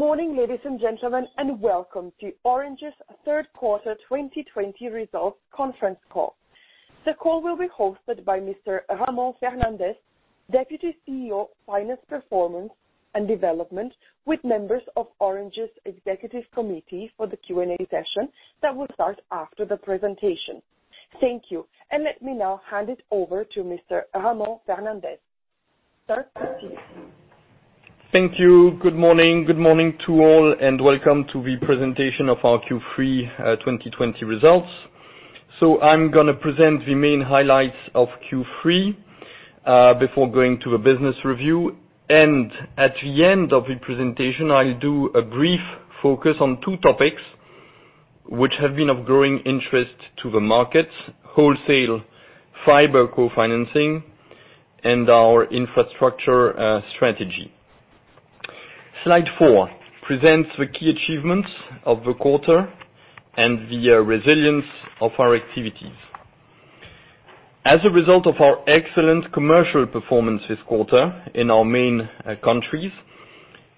Good morning, ladies and gentlemen, and welcome to Orange's Third Quarter 2020 Results Conference Call. The call will be hosted by Mr. Ramon Fernandez, Deputy CEO, Finance, Performance and Development, with members of Orange's Executive Committee for the Q&A session that will start after the presentation. Thank you, and let me now hand it over to Mr. Ramon Fernandez. Start the Q&A. Thank you. Good morning. Good morning to all, and welcome to the presentation of our Q3 2020 results. I am going to present the main highlights of Q3 before going to the business review. At the end of the presentation, I'll do a brief focus on two topics which have been of growing interest to the markets: wholesale fiber co-financing and our infrastructure strategy. Slide four presents the key achievements of the quarter and the resilience of our activities. As a result of our excellent commercial performance this quarter in our main countries,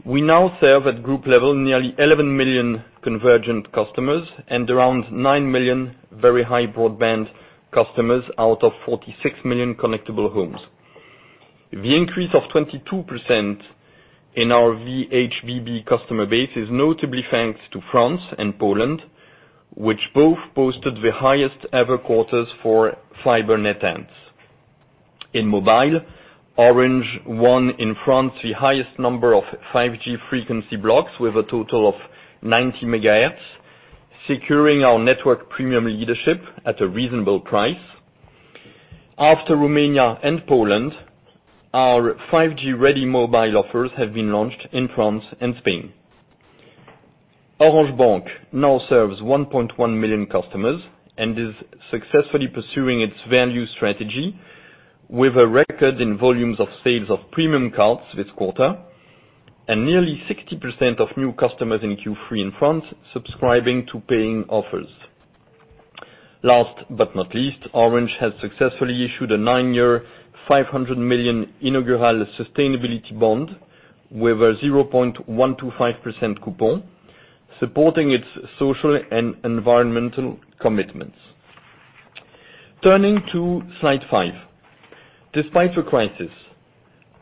we now serve, at group level, nearly 11 million convergent customers and around 9 million very high broadband customers out of 46 million connectable homes. The increase of 22% in our VHBB customer base is notably thanks to France and Poland, which both posted the highest ever quarters for fiber net adds. In mobile, Orange won in France the highest number of 5G frequency blocks with a total of 90 MHz, securing our network premium leadership at a reasonable price. After Romania and Poland, our 5G-ready mobile offers have been launched in France and Spain. Orange Bank now serves 1.1 million customers and is successfully pursuing its value strategy with a record in volumes of sales of premium cards this quarter and nearly 60% of new customers in Q3 in France subscribing to paying offers. Last but not least, Orange has successfully issued a nine-year 500 million inaugural sustainability bond with a 0.125% coupon, supporting its social and environmental commitments. Turning to slide five, despite the crisis,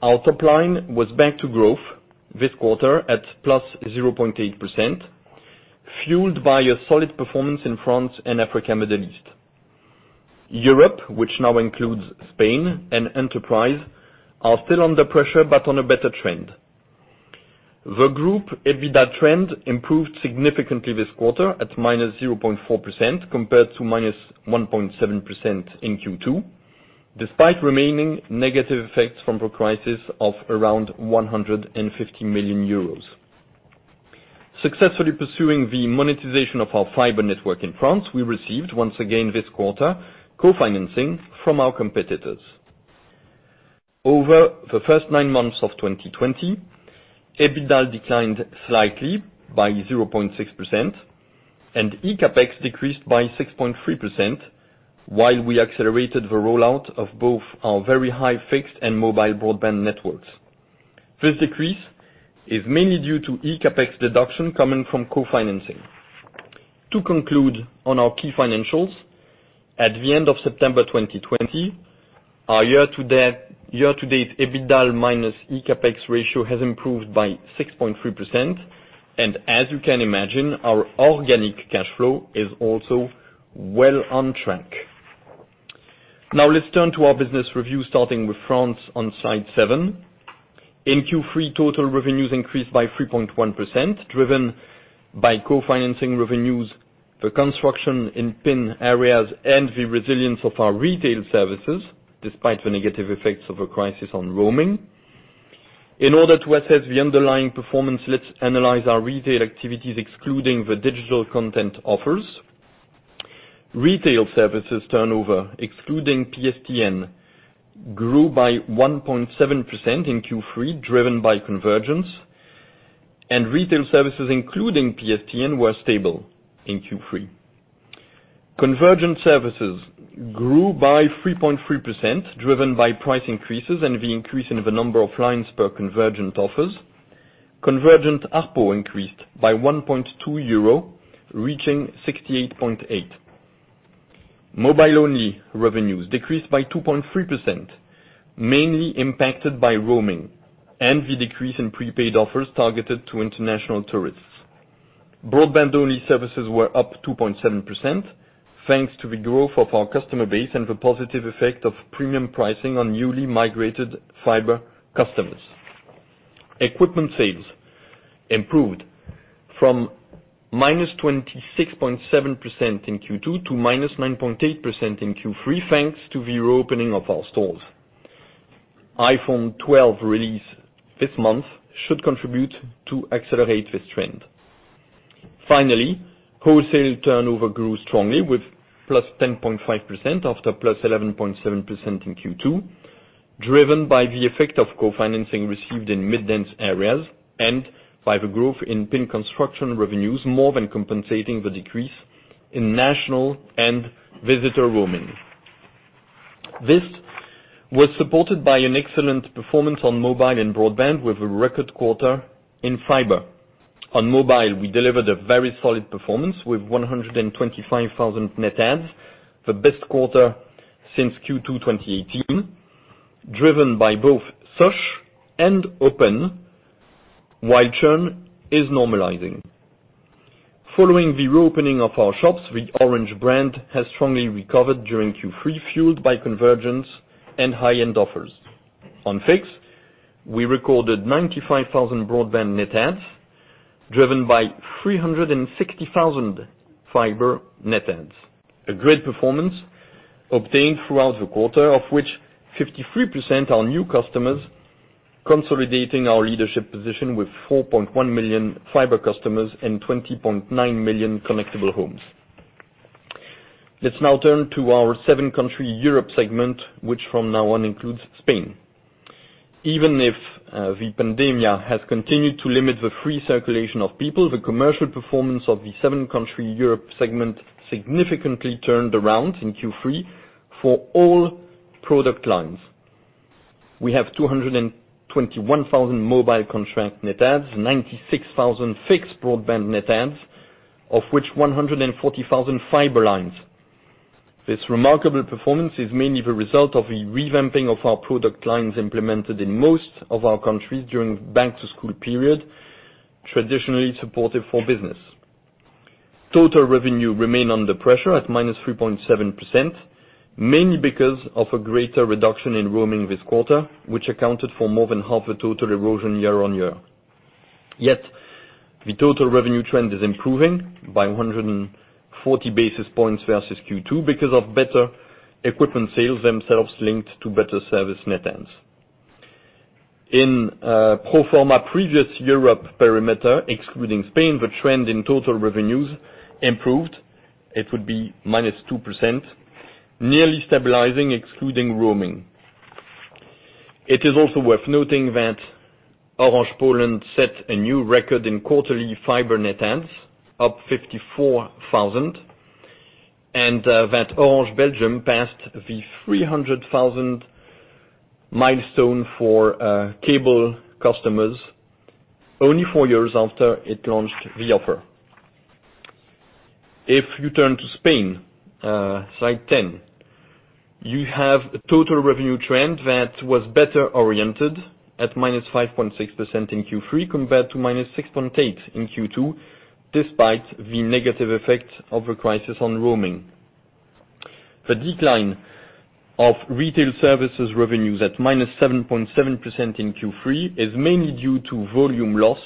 our top line was back to growth this quarter at +0.8%, fueled by a solid performance in France and Africa and Middle East. Europe, which now includes Spain and enterprise, are still under pressure but on a better trend. The group EBITDA trend improved significantly this quarter at -0.4% compared to -1.7% in Q2, despite remaining negative effects from the crisis of around 150 million euros. Successfully pursuing the monetization of our fiber network in France, we received, once again this quarter, co-financing from our competitors. Over the first nine months of 2020, EBITDA declined slightly by 0.6%, and eCapEx decreased by 6.3% while we accelerated the rollout of both our very high fixed and mobile broadband networks. This decrease is mainly due to eCapEx deduction coming from co-financing. To conclude on our key financials, at the end of September 2020, our year-to-date EBITDA minus eCapEx ratio has improved by 6.3%, and as you can imagine, our organic cash flow is also well on track. Now, let's turn to our business review, starting with France on slide seven. In Q3, total revenues increased by 3.1%, driven by co-financing revenues for construction in PIN areas and the resilience of our retail services, despite the negative effects of the crisis on roaming. In order to assess the underlying performance, let's analyze our retail activities, excluding the digital content offers. Retail services turnover, excluding PSTN, grew by 1.7% in Q3, driven by convergence, and retail services, including PSTN, were stable in Q3. Convergent services grew by 3.3%, driven by price increases and the increase in the number of lines per convergent offers. Convergent ARPO increased by 1.2 euro, reaching 68.8. Mobile-only revenues decreased by 2.3%, mainly impacted by roaming and the decrease in prepaid offers targeted to international tourists. Broadband-only services were up 2.7%, thanks to the growth of our customer base and the positive effect of premium pricing on newly migrated fiber customers. Equipment sales improved from -26.7% in Q2 to -9.8% in Q3, thanks to the reopening of our stores. iPhone 12 release this month should contribute to accelerate this trend. Finally, wholesale turnover grew strongly, with +10.5% after +11.7% in Q2, driven by the effect of co-financing received in mid-dense areas and by the growth in PIN construction revenues, more than compensating the decrease in national and visitor roaming. This was supported by an excellent performance on mobile and broadband, with a record quarter in fiber. On mobile, we delivered a very solid performance with 125,000 net adds, the best quarter since Q2 2018, driven by both SOSH and Open, while churn is normalizing. Following the reopening of our shops, the Orange brand has strongly recovered during Q3, fueled by convergence and high-end offers. On fixed, we recorded 95,000 broadband net adds, driven by 360,000 fiber net adds. A great performance obtained throughout the quarter, of which 53% are new customers, consolidating our leadership position with 4.1 million fiber customers and 20.9 million connectable homes. Let's now turn to our seven-country Europe segment, which from now on includes Spain. Even if the pandemia has continued to limit the free circulation of people, the commercial performance of the seven-country Europe segment significantly turned around in Q3 for all product lines. We have 221,000 mobile contract net adds, 96,000 fixed broadband net adds, of which 140,000 fiber lines. This remarkable performance is mainly the result of the revamping of our product lines implemented in most of our countries during the back-to-school period, traditionally supportive for business. Total revenue remained under pressure at -3.7%, mainly because of a greater reduction in roaming this quarter, which accounted for more than half the total erosion year on year. Yet, the total revenue trend is improving by 140 basis points versus Q2 because of better equipment sales themselves linked to better service net adds. In pro forma previous Europe perimeter, excluding Spain, the trend in total revenues improved. It would be -2%, nearly stabilizing, excluding roaming. It is also worth noting that Orange Poland set a new record in quarterly fiber net adds, up 54,000, and that Orange Belgium passed the 300,000 milestone for cable customers only four years after it launched the offer. If you turn to Spain, slide 10, you have a total revenue trend that was better oriented at -5.6% in Q3 compared to -6.8% in Q2, despite the negative effect of the crisis on roaming. The decline of retail services revenues at -7.7% in Q3 is mainly due to volume loss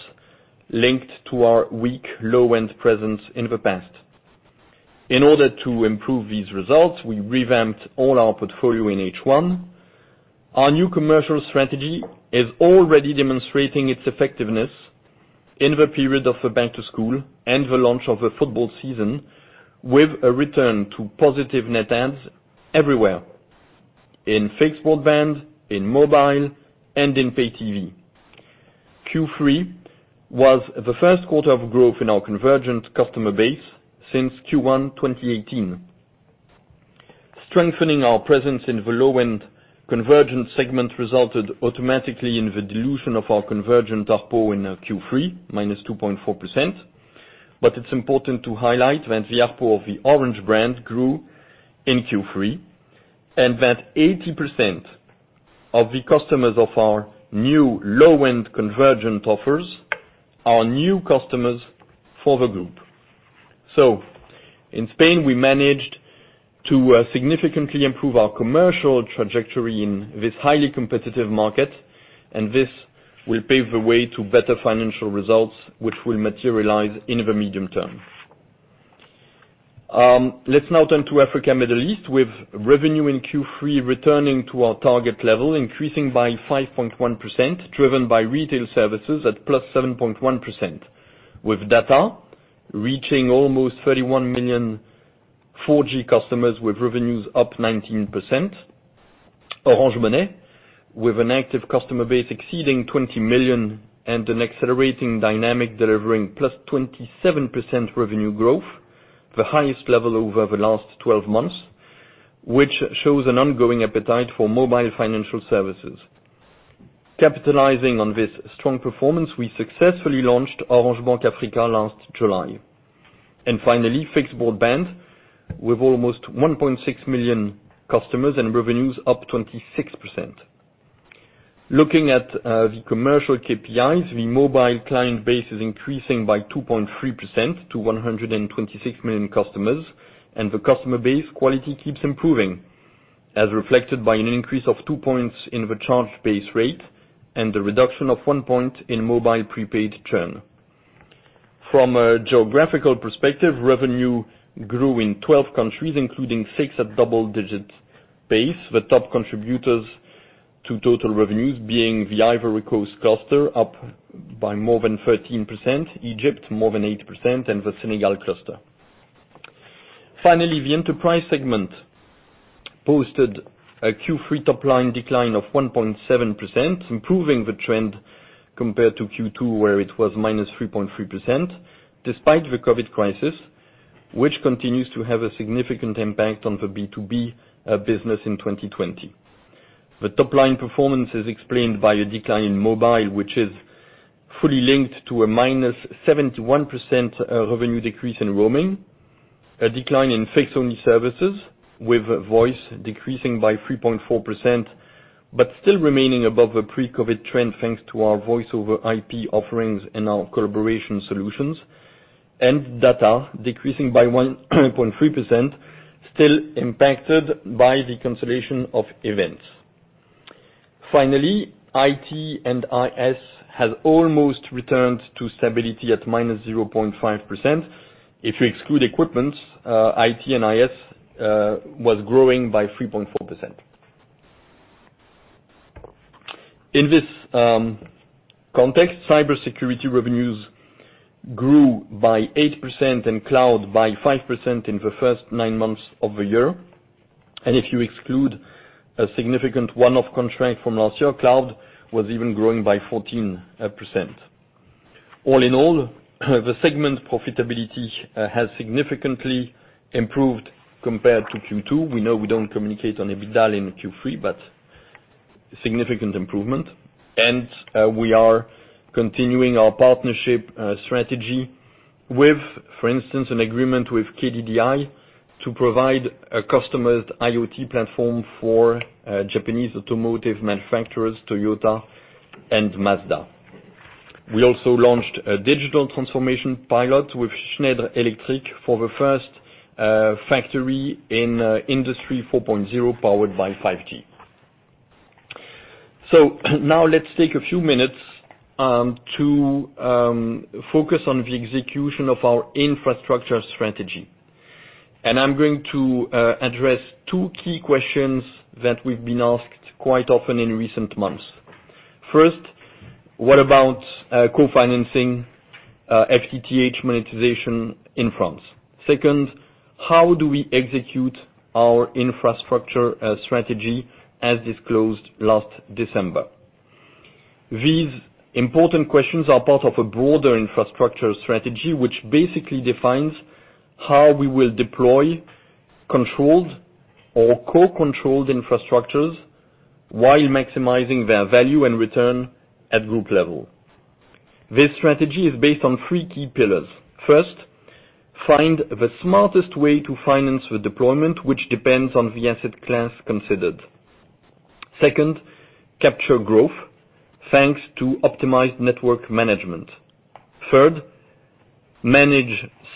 linked to our weak low-end presence in the past. In order to improve these results, we revamped all our portfolio in H1. Our new commercial strategy is already demonstrating its effectiveness in the period of the back-to-school and the launch of the football season, with a return to positive net adds everywhere: in fixed broadband, in mobile, and in pay-TV. Q3 was the first quarter of growth in our convergent customer base since Q1 2018. Strengthening our presence in the low-end convergent segment resulted automatically in the dilution of our convergent ARPO in Q3, -2.4%. It is important to highlight that the ARPO of the Orange brand grew in Q3 and that 80% of the customers of our new low-end convergent offers are new customers for the group. In Spain, we managed to significantly improve our commercial trajectory in this highly competitive market, and this will pave the way to better financial results, which will materialize in the medium term. Let's now turn to Africa and Middle East, with revenue in Q3 returning to our target level, increasing by 5.1%, driven by retail services at +7.1%, with data reaching almost 31 million 4G customers, with revenues up 19%. Orange Money, with an active customer base exceeding 20 million and an accelerating dynamic delivering +27% revenue growth, the highest level over the last 12 months, which shows an ongoing appetite for mobile financial services. Capitalizing on this strong performance, we successfully launched Orange Bank Africa last July. Finally, fixed broadband, with almost 1.6 million customers and revenues up 26%. Looking at the commercial KPIs, the mobile client base is increasing by 2.3% to 126 million customers, and the customer base quality keeps improving, as reflected by an increase of two percentage points in the charge base rate and the reduction of one percentage point in mobile prepaid churn. From a geographical perspective, revenue grew in 12 countries, including six at double-digit pace, with top contributors to total revenues being the Ivory Coast cluster, up by more than 13%, Egypt more than 8%, and the Senegal cluster. Finally, the enterprise segment posted a Q3 top-line decline of 1.7%, improving the trend compared to Q2, where it was -3.3%, despite the COVID crisis, which continues to have a significant impact on the B2B business in 2020. The top-line performance is explained by a decline in mobile, which is fully linked to a -71% revenue decrease in roaming, a decline in fixed-only services, with voice decreasing by 3.4%, but still remaining above the pre-COVID trend thanks to our voice-over IP offerings and our collaboration solutions, and data decreasing by 1.3%, still impacted by the cancellation of events. Finally, IT and IS has almost returned to stability at -0.5%. If you exclude equipment, IT and IS was growing by 3.4%. In this context, cybersecurity revenues grew by 8% and cloud by 5% in the first nine months of the year. If you exclude a significant one-off contract from last year, cloud was even growing by 14%. All in all, the segment profitability has significantly improved compared to Q2. We know we do not communicate on EBITDA in Q3, but significant improvement. We are continuing our partnership strategy with, for instance, an agreement with KDDI to provide a customized IoT platform for Japanese automotive manufacturers, Toyota and Mazda. We also launched a digital transformation pilot with Schneider Electric for the first factory in Industry 4.0 powered by 5G. Now, let's take a few minutes to focus on the execution of our infrastructure strategy. I'm going to address two key questions that we've been asked quite often in recent months. First, what about co-financing FTTH monetization in France? Second, how do we execute our infrastructure strategy as disclosed last December? These important questions are part of a broader infrastructure strategy, which basically defines how we will deploy controlled or co-controlled infrastructures while maximizing their value and return at group level. This strategy is based on three key pillars. First, find the smartest way to finance the deployment, which depends on the asset class considered. Second, capture growth thanks to optimized network management. Third, manage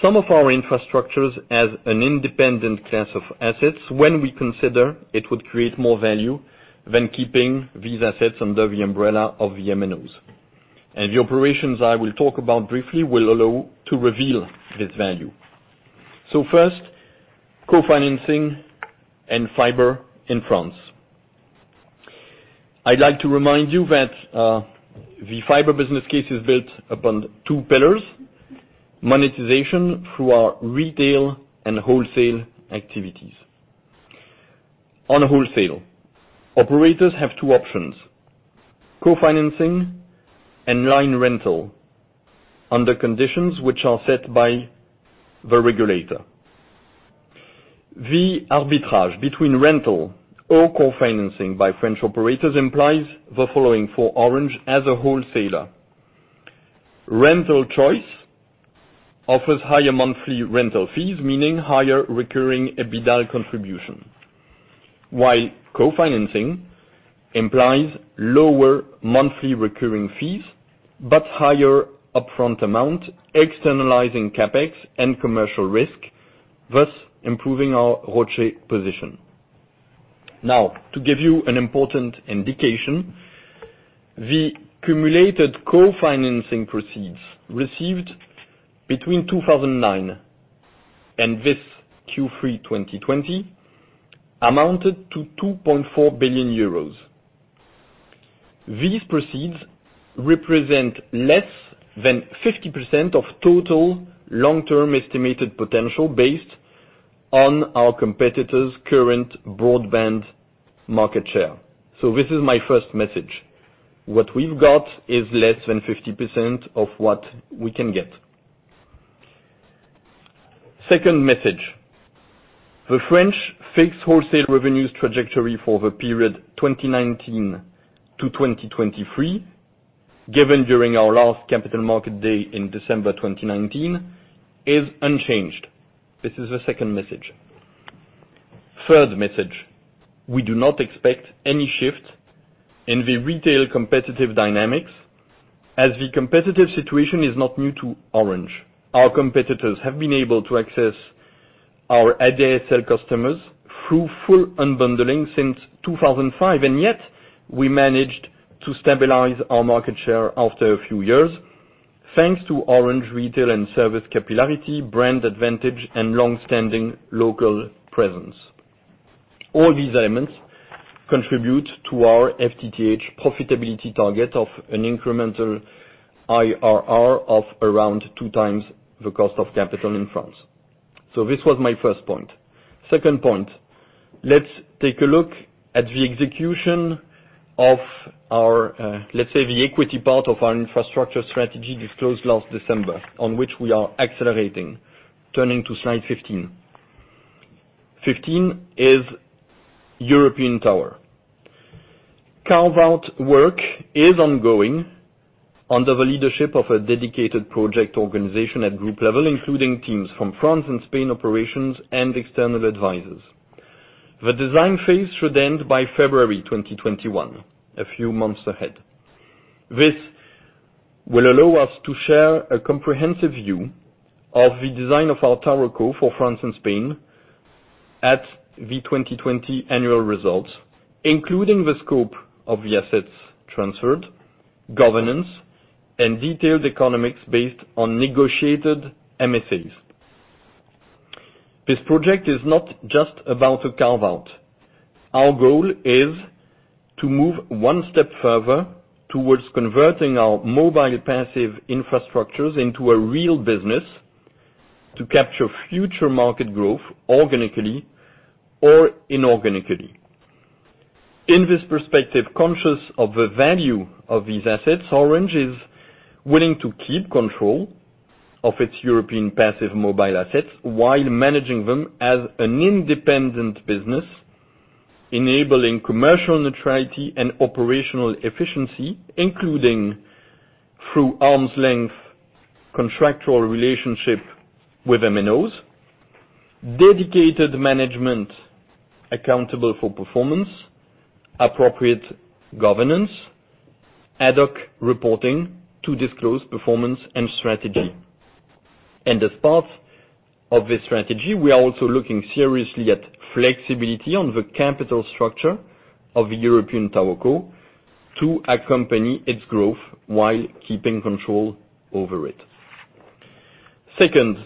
some of our infrastructures as an independent class of assets when we consider it would create more value than keeping these assets under the umbrella of MNOs. The operations I will talk about briefly will allow to reveal this value. First, co-financing and fiber in France. I'd like to remind you that the fiber business case is built upon two pillars: monetization through our retail and wholesale activities. On wholesale, operators have two options: co-financing and line rental under conditions which are set by the regulator. The arbitrage between rental or co-financing by French operators implies the following for Orange as a wholesaler: rental choice offers higher monthly rental fees, meaning higher recurring EBITDA contribution, while co-financing implies lower monthly recurring fees but higher upfront amount, externalizing CapEx and commercial risk, thus improving our ROCE position. Now, to give you an important indication, the accumulated co-financing proceeds received between 2009 and this Q3 2020 amounted to 2.4 billion euros. These proceeds represent less than 50% of total long-term estimated potential based on our competitors' current broadband market share. This is my first message. What we've got is less than 50% of what we can get. Second message: the French fixed wholesale revenues trajectory for the period 2019 to 2023, given during our last capital market day in December 2019, is unchanged. This is the second message. Third message: we do not expect any shift in the retail competitive dynamics, as the competitive situation is not new to Orange. Our competitors have been able to access our ADSL customers through full unbundling since 2005, and yet we managed to stabilize our market share after a few years thanks to Orange retail and service capillarity, brand advantage, and long-standing local presence. All these elements contribute to our FTTH profitability target of an incremental IRR of around two times the cost of capital in France. This was my first point. Second point: let's take a look at the execution of our, let's say, the equity part of our infrastructure strategy disclosed last December, on which we are accelerating, turning to slide 15. Fifteen is European Tower. Carve-out work is ongoing under the leadership of a dedicated project organization at group level, including teams from France and Spain operations and external advisors. The design phase should end by February 2021, a few months ahead. This will allow us to share a comprehensive view of the design of our TowerCo for France and Spain at the 2020 annual results, including the scope of the assets transferred, governance, and detailed economics based on negotiated MSAs. This project is not just about a carve-out. Our goal is to move one step further towards converting our mobile passive infrastructures into a real business to capture future market growth organically or inorganically. In this perspective, conscious of the value of these assets, Orange is willing to keep control of its European passive mobile assets while managing them as an independent business, enabling commercial neutrality and operational efficiency, including through arm's-length contractual relationship with MNOs, dedicated management accountable for performance, appropriate governance, and ad hoc reporting to disclose performance and strategy. As part of this strategy, we are also looking seriously at flexibility on the capital structure of the European TowerCo to accompany its growth while keeping control over it. Second,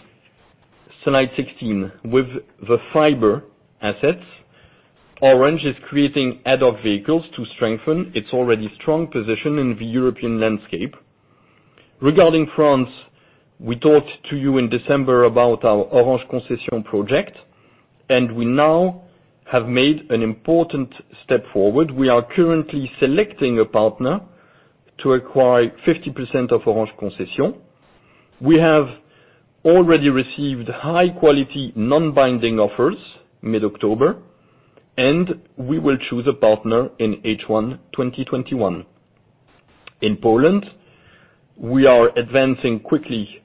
slide 16. With the fiber assets, Orange is creating ad hoc vehicles to strengthen its already strong position in the European landscape. Regarding France, we talked to you in December about our Orange Concession project, and we now have made an important step forward. We are currently selecting a partner to acquire 50% of Orange Concession. We have already received high-quality non-binding offers mid-October, and we will choose a partner in H1 2021. In Poland, we are advancing quickly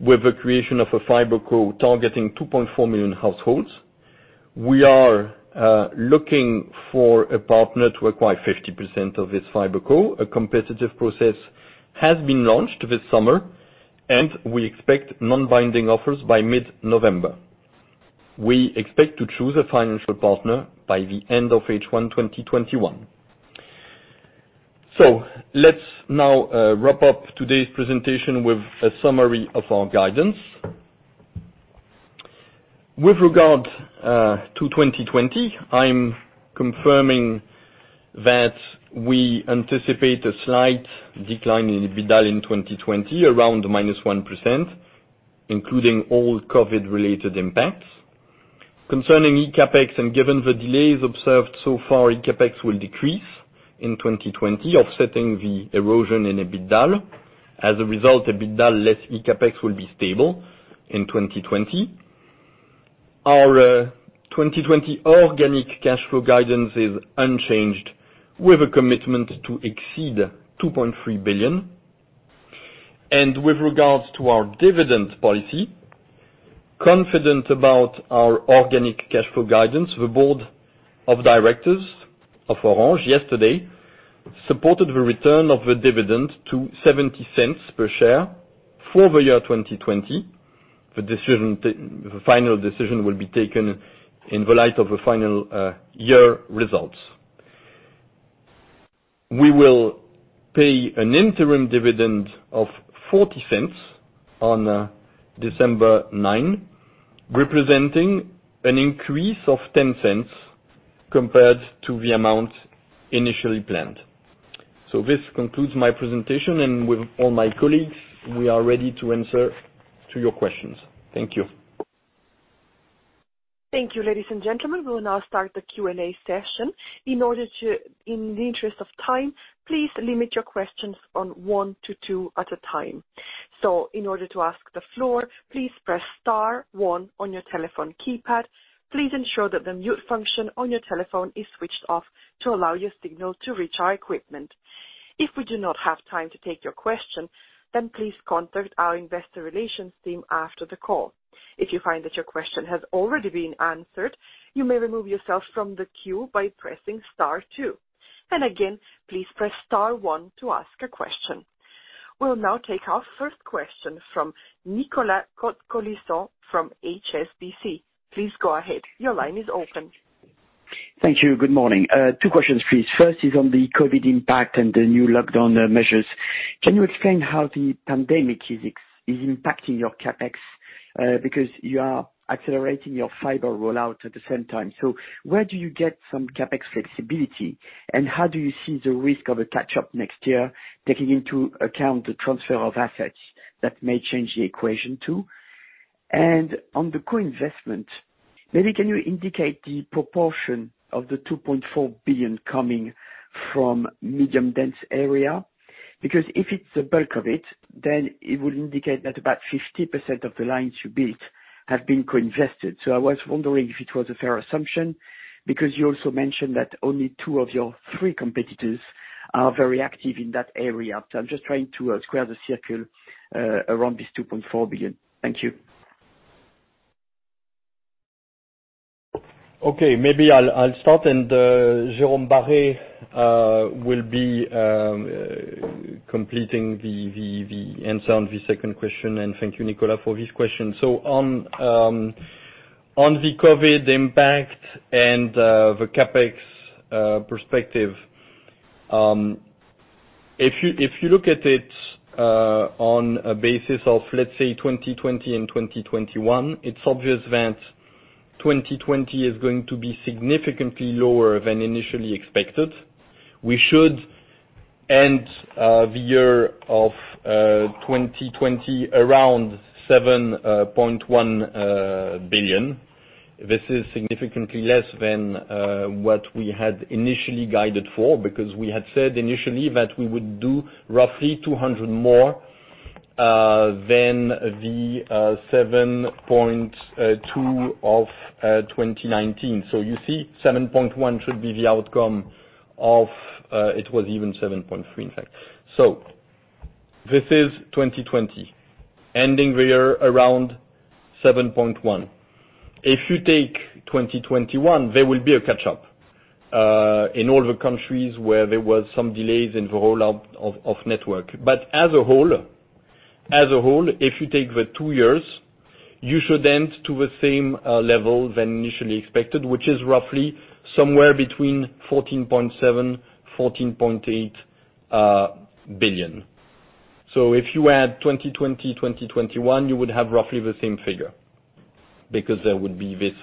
with the creation of a FiberCo targeting 2.4 million households. We are looking for a partner to acquire 50% of this FiberCo a competitive process has been launched this summer, and we expect non-binding offers by mid-November. We expect to choose a financial partner by the end of H1 2021. Let's now wrap up today's presentation with a summary of our guidance. With regard to 2020, I'm confirming that we anticipate a slight decline in EBITDA in 2020, around -1%, including all COVID-related impacts. Concerning eCapEx, and given the delays observed so far, eCapEx will decrease in 2020, offsetting the erosion in EBITDA. As a result, EBITDA less eCapEx will be stable in 2020. Our 2020 organic cash flow guidance is unchanged, with a commitment to exceed 2.3 billion. With regards to our dividend policy, confident about our organic cash flow guidance, the board of directors of Orange yesterday supported the return of the dividend to 0.70 per share for the year 2020. The final decision will be taken in the light of the final year results. We will pay an interim dividend of 0.40 on December 9, representing an increase of 0.10 compared to the amount initially planned. This concludes my presentation, and with all my colleagues, we are ready to answer your questions. Thank you. Thank you, ladies and gentlemen. We will now start the Q&A session. In the interest of time, please limit your questions from one to two at a time. In order to ask the floor, please press star one on your telephone keypad. Please ensure that the mute function on your telephone is switched off to allow your signal to reach our equipment. If we do not have time to take your question, then please contact our investor relations team after the call. If you find that your question has already been answered, you may remove yourself from the queue by pressing star two. Please press star one to ask a question. We'll now take our first question from Nicolas Cote-Colisson from HSBC. Please go ahead. Your line is open. Thank you. Good morning. Two questions, please. First is on the COVID impact and the new lockdown measures. Can you explain how the pandemic is impacting your CapEx because you are accelerating your fiber rollout at the same time? Where do you get some CapEx flexibility, and how do you see the risk of a catch-up next year taking into account the transfer of assets that may change the equation too? On the co-investment, maybe can you indicate the proportion of the 2.4 billion coming from medium-dense area? Because if it's the bulk of it, then it would indicate that about 50% of the lines you built have been co-invested. I was wondering if it was a fair assumption because you also mentioned that only two of your three competitors are very active in that area. I'm just trying to square the circle around this 2.4 billion. Thank you. Okay. Maybe I'll start, and Jérôme Barré will be completing the answer on the second question. Thank you, Nicolas, for this question. On the COVID impact and the CapEx perspective, if you look at it on a basis of, let's say, 2020 and 2021, it's obvious that 2020 is going to be significantly lower than initially expected. We should end the year of 2020 around 7.1 billion. This is significantly less than what we had initially guided for because we had said initially that we would do roughly 200 million more than the 7.2 billion of 2019. You see, 7.1 billion should be the outcome. It was even 7.3 billion, in fact. This is 2020, ending the year around 7.1 billion. If you take 2021, there will be a catch-up in all the countries where there were some delays in the rollout of network. As a whole, if you take the two years, you should end to the same level than initially expected, which is roughly somewhere between 14.7 billion-14.8 billion. If you add 2020, 2021, you would have roughly the same figure because there would be this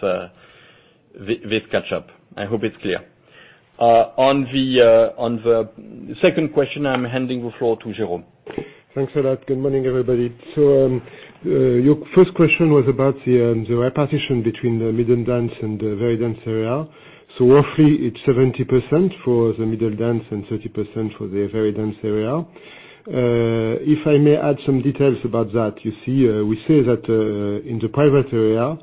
catch-up. I hope it's clear. On the second question, I'm handing the floor to Jérôme. Thanks a lot. Good morning, everybody. Your first question was about the repartition between the middle-dense and the very-dense area. Roughly, it's 70% for the middle-dense and 30% for the very-dense area. If I may add some details about that, you see, we say that in the private area,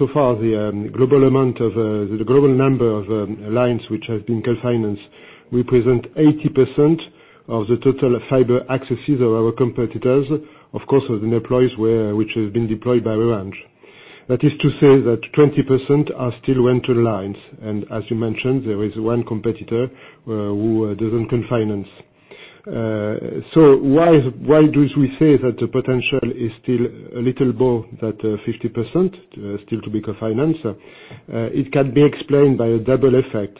so far, the global amount of the global number of lines which have been co-financed represents 80% of the total fiber accesses of our competitors, of course, of the networks which have been deployed by Orange. That is to say that 20% are still rental lines. As you mentioned, there is one competitor who doesn't co-finance. Why do we say that the potential is still a little below that 50%, still to be co-financed? It can be explained by a double effect.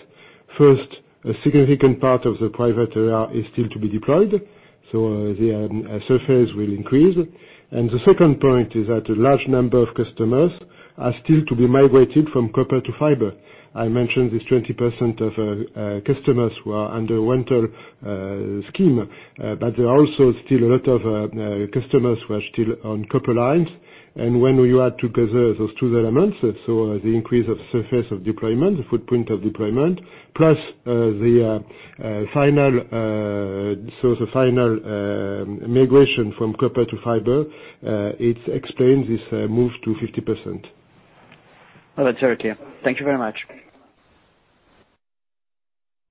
First, a significant part of the private area is still to be deployed, so the surface will increase. The second point is that a large number of customers are still to be migrated from copper to fiber. I mentioned this 20% of customers who are under rental scheme, but there are also still a lot of customers who are still on copper lines. When you add together those two elements, the increase of surface of deployment, the footprint of deployment, plus the final migration from copper to fiber, it explains this move to 50%. That is very clear. Thank you very much.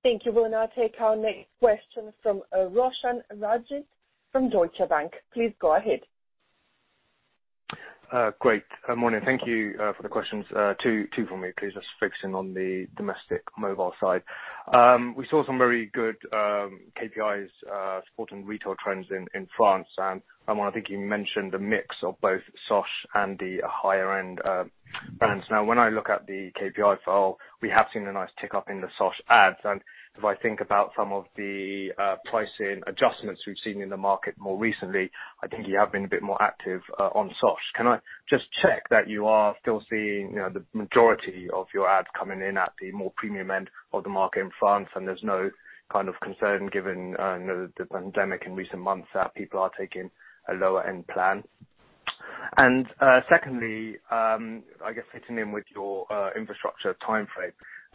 Thank you. We'll now take our next question from Roshan Ranjit from Deutsche Bank. Please go ahead. Great. Good morning. Thank you for the questions. Two for me, please. Just focusing on the domestic mobile side. We saw some very good KPIs supporting retail trends in France. I think you mentioned a mix of both SOSH and the higher-end brands. Now, when I look at the KPI file, we have seen a nice tick-up in the SOSH ads. If I think about some of the pricing adjustments we've seen in the market more recently, I think you have been a bit more active on SOSH. Can I just check that you are still seeing the majority of your ads coming in at the more premium end of the market in France, and there's no kind of concern given the pandemic in recent months that people are taking a lower-end plan? Secondly, I guess fitting in with your infrastructure timeframe,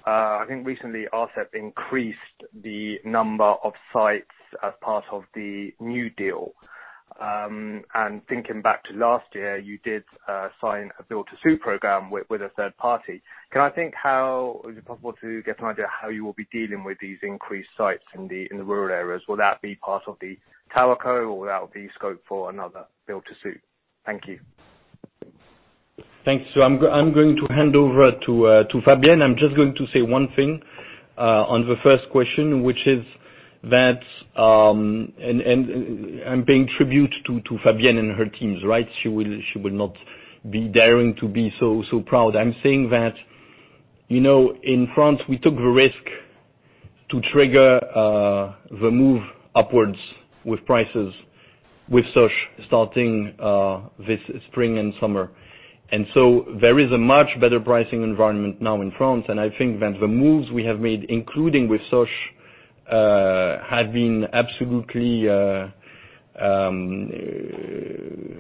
I think recently Arcep increased the number of sites as part of the new deal. Thinking back to last year, you did sign a build-to-sue program with a third party. Can I think how is it possible to get an idea of how you will be dealing with these increased sites in the rural areas? Will that be part of the TowerCo, or will that be scoped for another build-to-suit? Thank you. Thanks. I'm going to hand over to Fabienne. I'm just going to say one thing on the first question, which is that, and I'm paying tribute to Fabienne and her teams, right? She will not be daring to be so proud. I'm saying that in France, we took the risk to trigger the move upwards with prices with SOSH starting this spring and summer. There is a much better pricing environment now in France. I think that the moves we have made, including with SOSH, have been absolutely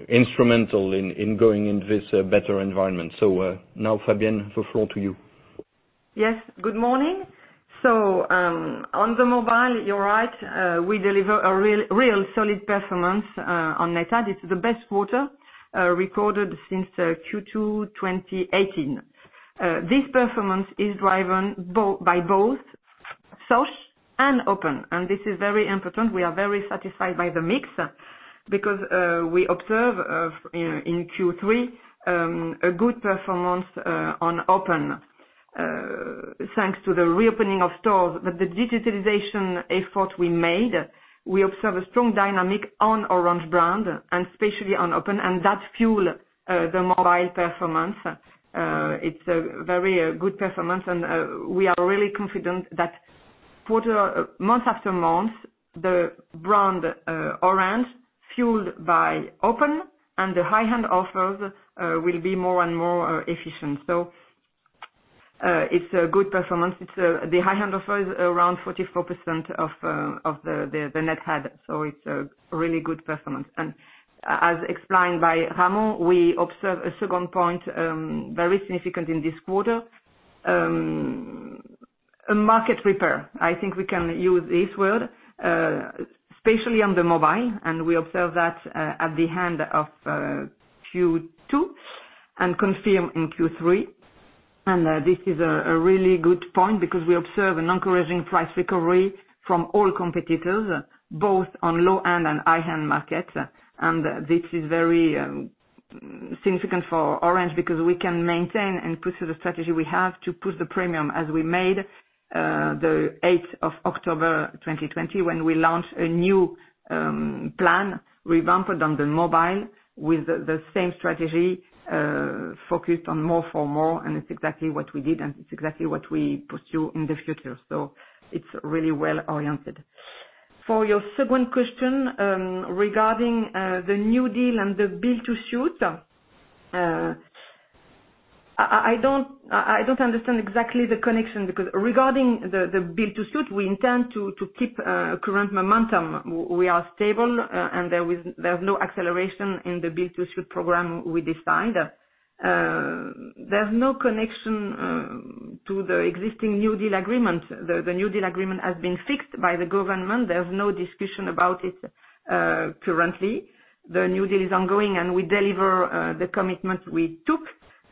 instrumental in going into this better environment. Fabienne, the floor to you. Yes. Good morning. On the mobile, you're right. We deliver a real solid performance on Net adds. It's the best quarter recorded since Q2 2018. This performance is driven by both SOSH and Open. This is very important. We are very satisfied by the mix because we observed in Q3 a good performance on Open thanks to the reopening of stores. The digitalization effort we made, we observed a strong dynamic on Orange brand, and especially on Open, and that fueled the mobile performance. It's a very good performance, and we are really confident that month after month, the brand Orange fueled by Open and the high-end offers will be more and more efficient. It's a good performance. The high-end offers are around 44% of the Net adds. It's a really good performance. As explained by Ramon, we observed a second point very significant in this quarter, a market repair. I think we can use this word, especially on the mobile. We observed that at the end of Q2 and confirmed in Q3. This is a really good point because we observed an encouraging price recovery from all competitors, both on low-end and high-end markets. This is very significant for Orange because we can maintain and pursue the strategy we have to push the premium as we made the 8th of October 2020 when we launched a new plan revamped on the mobile with the same strategy focused on more for more. It is exactly what we did, and it is exactly what we pursue in the future. It is really well-oriented. For your second question regarding the new deal and the build-to-suit, I do not understand exactly the connection because regarding the build-to-suit, we intend to keep current momentum. We are stable, and there is no acceleration in the build-to-suit program we designed. There is no connection to the existing new deal agreement. The new deal agreement has been fixed by the government. There is no discussion about it currently. The new deal is ongoing, and we deliver the commitment we took,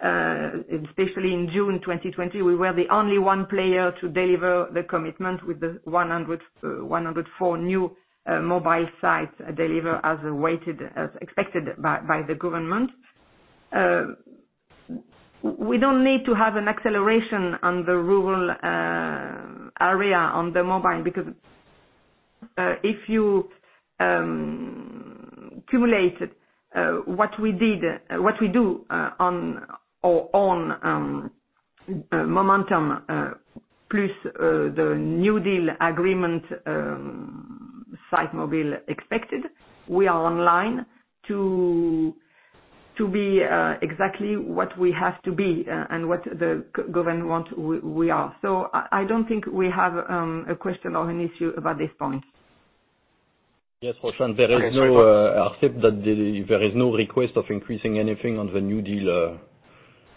especially in June 2020. We were the only one player to deliver the commitment with the 104 new mobile sites delivered as expected by the government. We don't need to have an acceleration on the rural area on the mobile because if you accumulate what we do on momentum plus the new deal agreement site mobile expected, we are on line to be exactly what we have to be and what the government wants we are. I don't think we have a question or an issue about this point. Yes. Roshan. There is no, I accept that there is no request of increasing anything on the new deal agreement.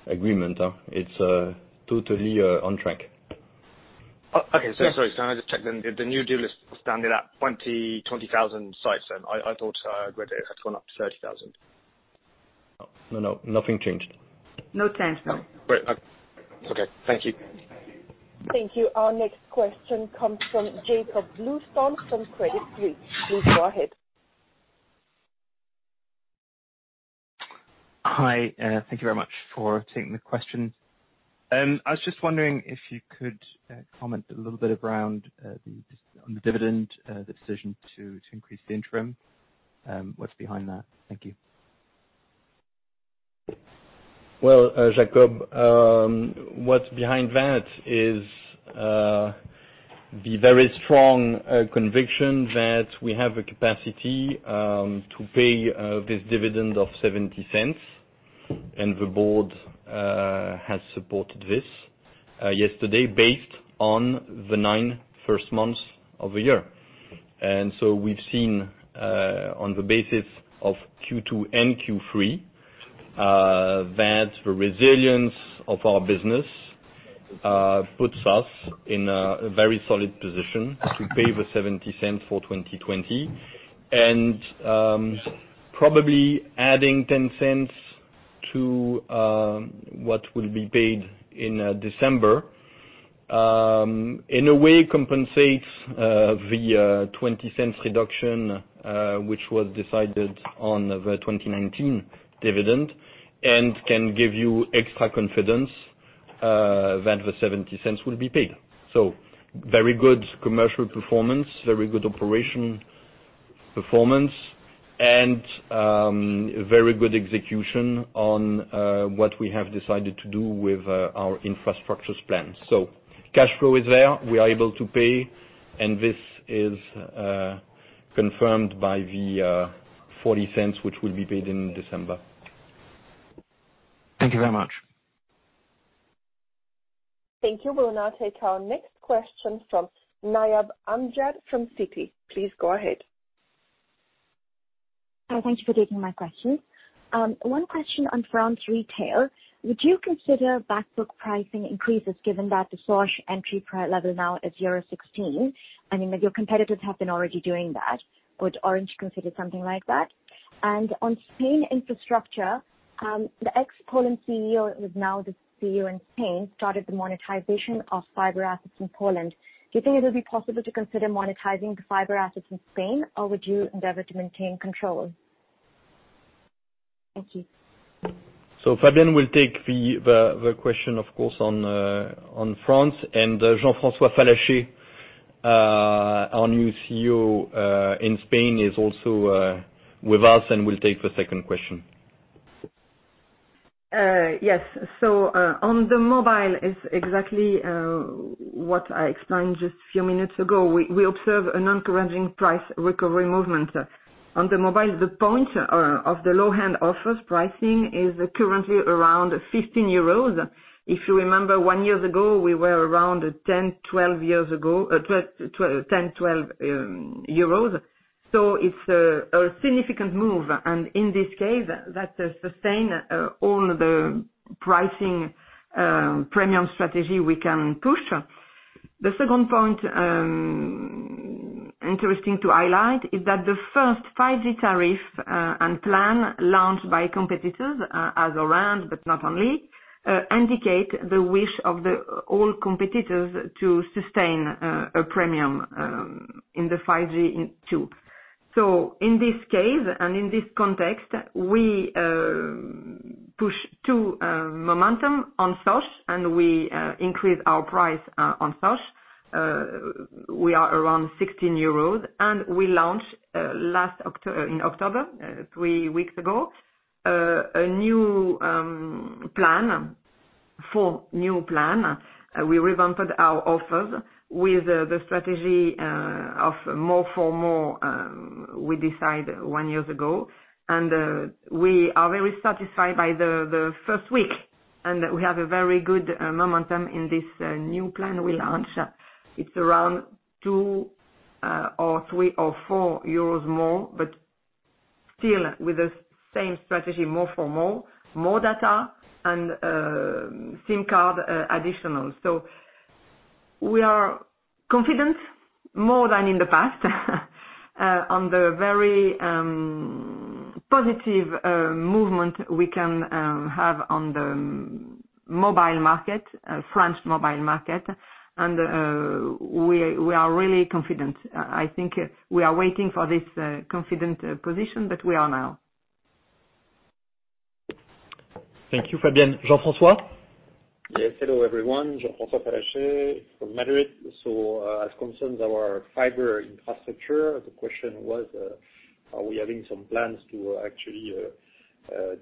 It's totally on track. Okay. Sorry. Sorry. I just checked. The new deal is standard at 20,000 sites, and I thought it had gone up to 30,000. No, no. Nothing changed. No change. No. Great. Okay. Thank you. Thank you. Our next question comes from Jakob Bluestone from Credit Suisse. Please go ahead. Hi. Thank you very much for taking the question. I was just wondering if you could comment a little bit around the dividend decision to increase the interim. What's behind that? Thank you. Jakob, what's behind that is the very strong conviction that we have a capacity to pay this dividend of 0.70, and the board has supported this yesterday based on the nine first months of the year. We have seen on the basis of Q2 and Q3 that the resilience of our business puts us in a very solid position to pay the 0.70 for 2020. Probably adding 0.10 to what will be paid in December, in a way, compensates the 0.20 reduction which was decided on the 2019 dividend and can give you extra confidence that the 0.70 will be paid. Very good commercial performance, very good operation performance, and very good execution on what we have decided to do with our infrastructure's plan. Cash flow is there. We are able to pay, and this is confirmed by the 0.40 which will be paid in December. Thank you very much. Thank you. We'll now take our next question from Nayab Amjad from Citi. Please go ahead. Thank you for taking my question. One question on France retail. Would you consider backbook pricing increases given that the SOSH entry price level now is euro 16? I mean, your competitors have been already doing that. Would Orange consider something like that? On Spain infrastructure, the ex-Poland CEO, who is now the CEO in Spain, started the monetization of fiber assets in Poland. Do you think it will be possible to consider monetizing the fiber assets in Spain, or would you endeavor to maintain control? Thank you. Fabienne will take the question, of course, on France. Jean-François Fallacher, our new CEO in Spain, is also with us and will take the second question. Yes. On the mobile, it's exactly what I explained just a few minutes ago. We observe an encouraging price recovery movement. On the mobile, the point of the low-end offers pricing is currently around 15 euros. If you remember, one year ago, we were around 10, 12, 10 euros, 12 euros. So, it's a significant move. In this case, that sustains all the pricing premium strategy we can push. The second point interesting to highlight is that the first 5G tariff and plan launched by competitors as Orange, but not only, indicate the wish of the old competitors to sustain a premium in the 5G too. In this case and in this context, we push to momentum on SOSH, and we increase our price on SOSH. We are around 16 euros, and we launched last in October, three weeks ago, a new plan, full new plan. We revamped our offers with the strategy of more for more. We decided one year ago, and we are very satisfied by the first week. We have a very good momentum in this new plan we launched. It's around 2 or 3 or 4 euros more, but still with the same strategy, more for more, more data, and SIM card additional. We are confident more than in the past on the very positive movement we can have on the mobile market, French mobile market. We are really confident. I think we are waiting for this confident position that we are now. Thank you, Fabienne. Jean-François? Yes. Hello, everyone. Jean-François Fallacher from Madrid. As concerns our fiber infrastructure, the question was, are we having some plans to actually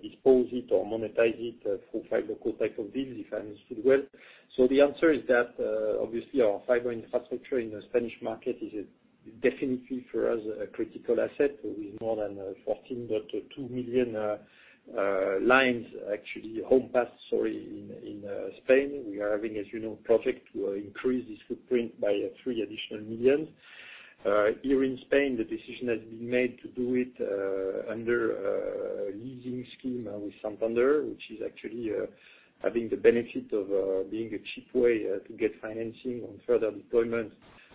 dispose it or monetize it through fiber contact of deals, if I understood well? The answer is that, obviously, our fiber infrastructure in the Spanish market is definitely for us a critical asset with more than 14.2 million lines, actually, home paths, in Spain. We are having, as you know, a project to increase this footprint by three additional million. Here in Spain, the decision has been made to do it under a leasing scheme with Santander, which is actually having the benefit of being a cheap way to get financing on further deployments,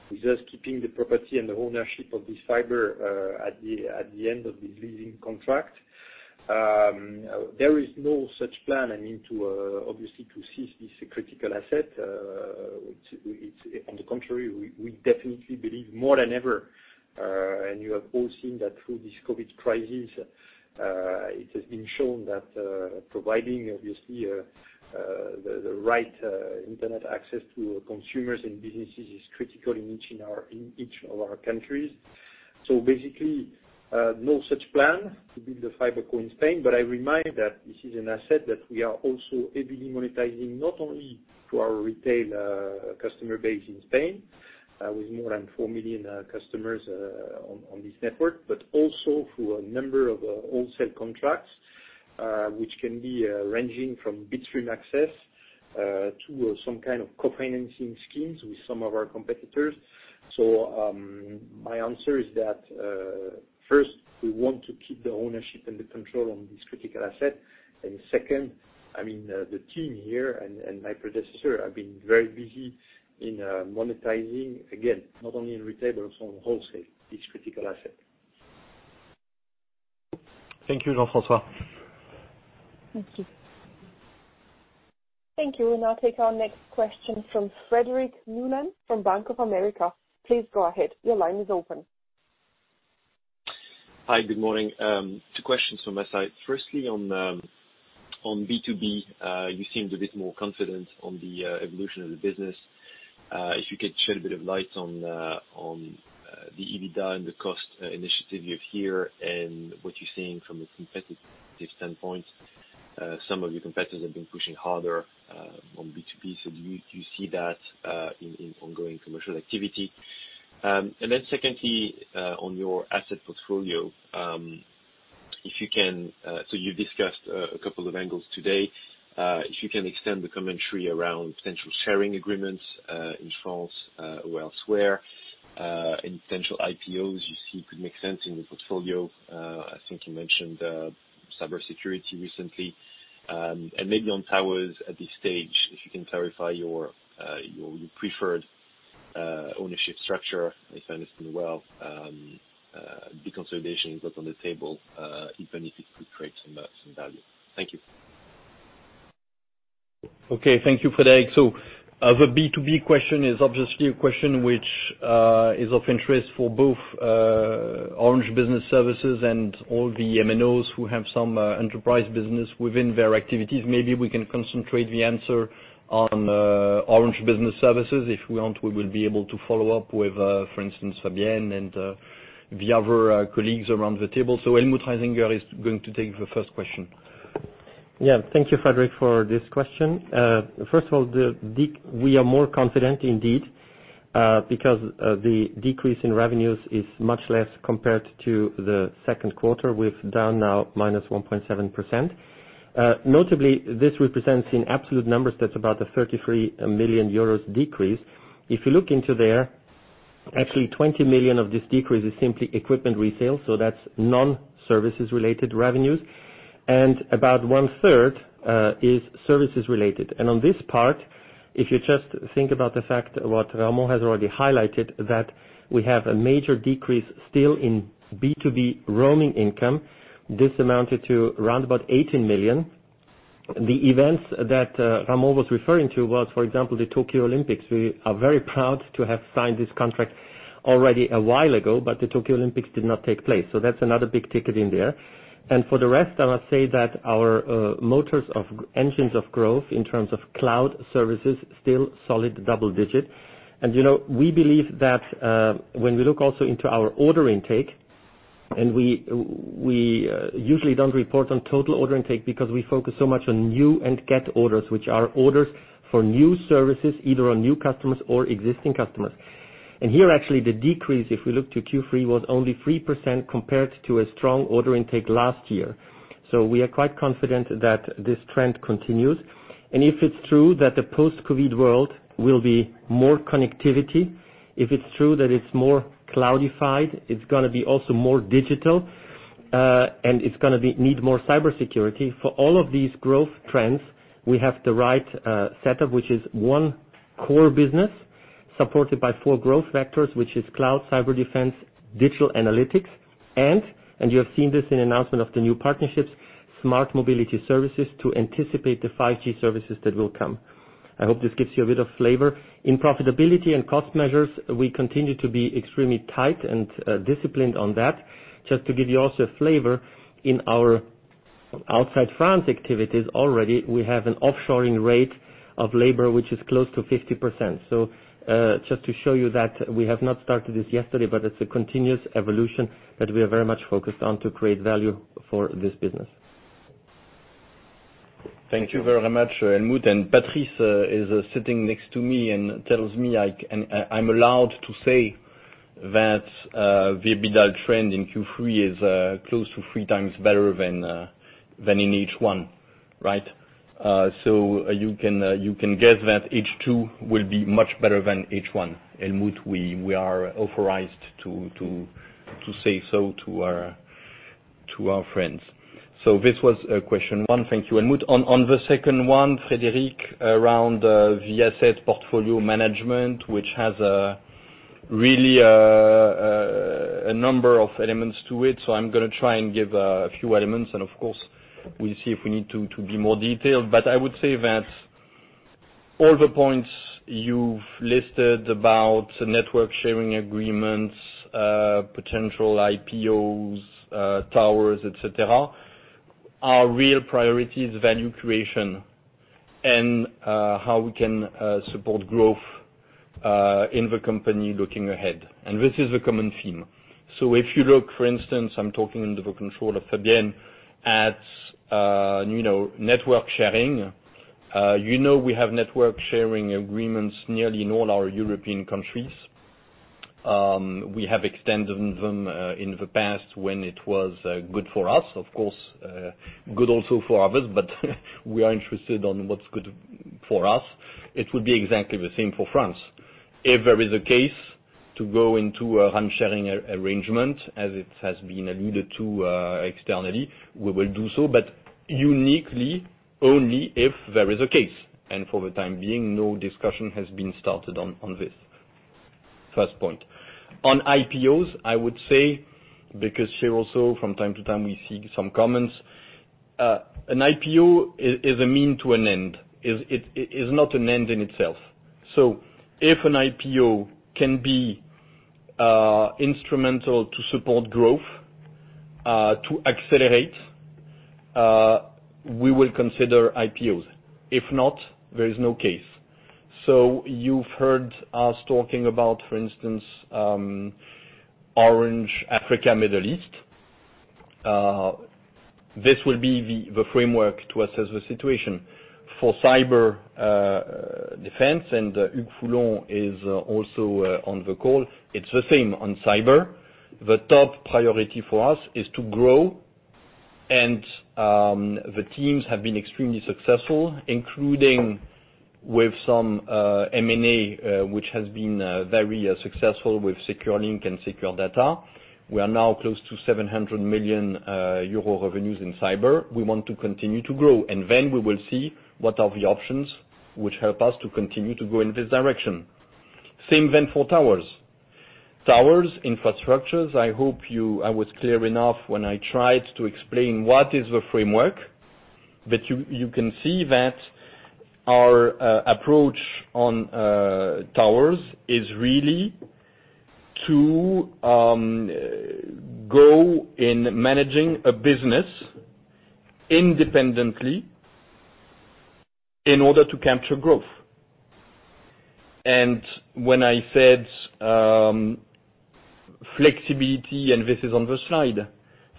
with us keeping the property and the ownership of this fiber at the end of the leasing contract. There is no such plan, I mean, to obviously seize this critical asset. On the contrary, we definitely believe more than ever, and you have all seen that through this COVID crisis, it has been shown that providing, obviously, the right internet access to consumers and businesses is critical in each of our countries. Basically, no such plan to build a FiberCo in Spain. I remind that this is an asset that we are also heavily monetizing, not only to our retail customer base in Spain, with more than 4 million customers on this network, but also through a number of wholesale contracts, which can be ranging from bitstream access to some kind of co-financing schemes with some of our competitors. My answer is that, first, we want to keep the ownership and the control on this critical asset. Second, I mean, the team here and my predecessor have been very busy in monetizing, again, not only in retail, but also in wholesale, this critical asset. Thank you, Jean-François. Thank you. Thank you. We'll now take our next question from Frederic Boulan from Bank of America. Please go ahead. Your line is open. Hi. Good morning. Two questions from my side. Firstly, on B2B, you seemed a bit more confident on the evolution of the business. If you could shed a bit of light on the EBITDA and the cost initiative you have here and what you're seeing from a competitive standpoint. Some of your competitors have been pushing harder on B2B. Do you see that in ongoing commercial activity? Secondly, on your asset portfolio, you have discussed a couple of angles today. If you can extend the commentary around potential sharing agreements in France or elsewhere, any potential IPOs you see could make sense in the portfolio. I think you mentioned cybersecurity recently. Maybe on towers at this stage, if you can clarify your preferred ownership structure, if I understand well, the consolidation is not on the table, even if it could create some value. Thank you. Okay. Thank you, Frederic. The B2B question is obviously a question which is of interest for both Orange Business Services and all the MNOs who have some enterprise business within their activities. Maybe we can concentrate the answer on Orange Business Services. If we want, we will be able to follow up with, for instance, Fabienne and the other colleagues around the table. Helmut Reisinger is going to take the first question. Yeah. Thank you, Frederic, for this question. First of all, we are more confident, indeed, because the decrease in revenues is much less compared to the second quarter, with down now -1.7%. Notably, this represents in absolute numbers about a 33 million euros decrease. If you look into there, actually, 20 million of this decrease is simply equipment resales. That is non-services-related revenues. About one-third is services-related. On this part, if you just think about the fact what Ramon has already highlighted, that we have a major decrease still in B2B roaming income. This amounted to around 18 million. The events that Ramon was referring to was, for example, the Tokyo Olympics. We are very proud to have signed this contract already a while ago, but the Tokyo Olympics did not take place. That is another big ticket in there. For the rest, I must say that our motors of engines of growth in terms of cloud services still solid double-digit. We believe that when we look also into our order intake, and we usually do not report on total order intake because we focus so much on new and get orders, which are orders for new services, either on new customers or existing customers. Here, actually, the decrease, if we look to Q3, was only 3% compared to a strong order intake last year. We are quite confident that this trend continues. If it is true that the post-COVID world will be more connectivity, if it is true that it is more cloudified, it is going to be also more digital, and it is going to need more cybersecurity. For all of these growth trends, we have the right setup, which is one core business supported by four growth vectors, which is cloud, cyber defense, digital analytics, and—you have seen this in announcement of the new partnerships—smart mobility services to anticipate the 5G services that will come. I hope this gives you a bit of flavor. In profitability and cost measures, we continue to be extremely tight and disciplined on that. Just to give you also a flavor, in our outside France activities already, we have an offshoring rate of labor which is close to 50%. Just to show you that we have not started this yesterday, but it is a continuous evolution that we are very much focused on to create value for this business. Thank you very much, Helmut. Patrice is sitting next to me and tells me I am allowed to say that the EBITDA trend in Q3 is close to three times better than in H1, right? You can guess that H2 will be much better than H1. Helmut, we are authorized to say so to our friends. This was question one. Thank you, Helmut. On the second one, Frederic, around the asset portfolio management, which has really a number of elements to it. I'm going to try and give a few elements, and of course, we'll see if we need to be more detailed. I would say that all the points you've listed about network sharing agreements, potential IPOs, towers, etc., our real priority is value creation and how we can support growth in the company looking ahead. This is the common theme. If you look, for instance, I'm talking under the control of Fabienne at network sharing. We have network sharing agreements nearly in all our European countries. We have extended them in the past when it was good for us. Of course, good also for others, but we are interested in what's good for us. It would be exactly the same for France. If there is a case to go into a run-sharing arrangement, as it has been alluded to externally, we will do so, but uniquely only if there is a case. For the time being, no discussion has been started on this. First point. On IPOs, I would say, because here also, from time to time, we see some comments, an IPO is a means to an end. It is not an end in itself. If an IPO can be instrumental to support growth, to accelerate, we will consider IPOs. If not, there is no case. You have heard us talking about, for instance, Orange Africa and Middle East. This will be the framework to assess the situation. For cyber defense, and Hugues Foulon is also on the call, it is the same on cyber. The top priority for us is to grow, and the teams have been extremely successful, including with some M&A, which has been very successful with SecureLink and SecureData. We are now close to 700 million euro revenues in cyber. We want to continue to grow. Then we will see what are the options which help us to continue to go in this direction. Same then for towers. Towers, infrastructures, I hope I was clear enough when I tried to explain what is the framework, but you can see that our approach on towers is really to go in managing a business independently in order to capture growth. When I said flexibility, and this is on the slide,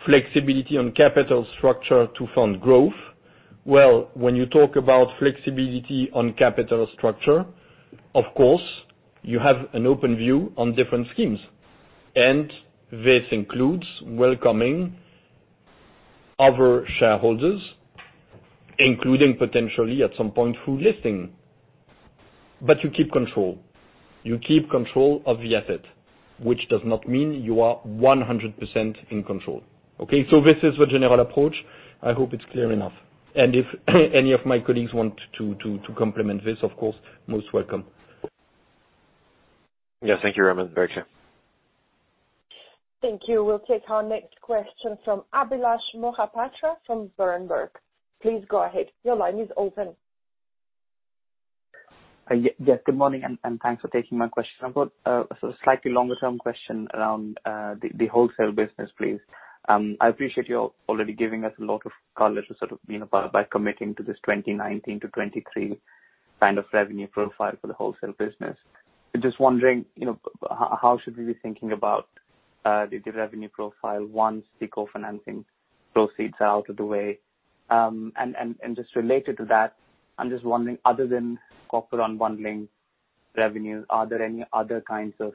flexibility on capital structure to fund growth, when you talk about flexibility on capital structure, of course, you have an open view on different schemes. This includes welcoming other shareholders, including potentially at some point through listing. You keep control. You keep control of the asset, which does not mean you are 100% in control. Okay? This is the general approach. I hope it is clear enough. If any of my colleagues want to complement this, of course, most welcome. Yes. Thank you, Ramon Fernandez. Thank you. We will take our next question from Abhilash Mohapatra from Berenberg. Please go ahead. Your line is open. Yes. Good morning, and thanks for taking my question. I have got a slightly longer-term question around the wholesale business, please. I appreciate you are already giving us a lot of colors sort of by committing to this 2019-2023 kind of revenue profile for the wholesale business. Just wondering, how should we be thinking about the revenue profile once the co-financing proceeds are out of the way? Just related to that, I'm just wondering, other than corporate unbundling revenue, are there any other kinds of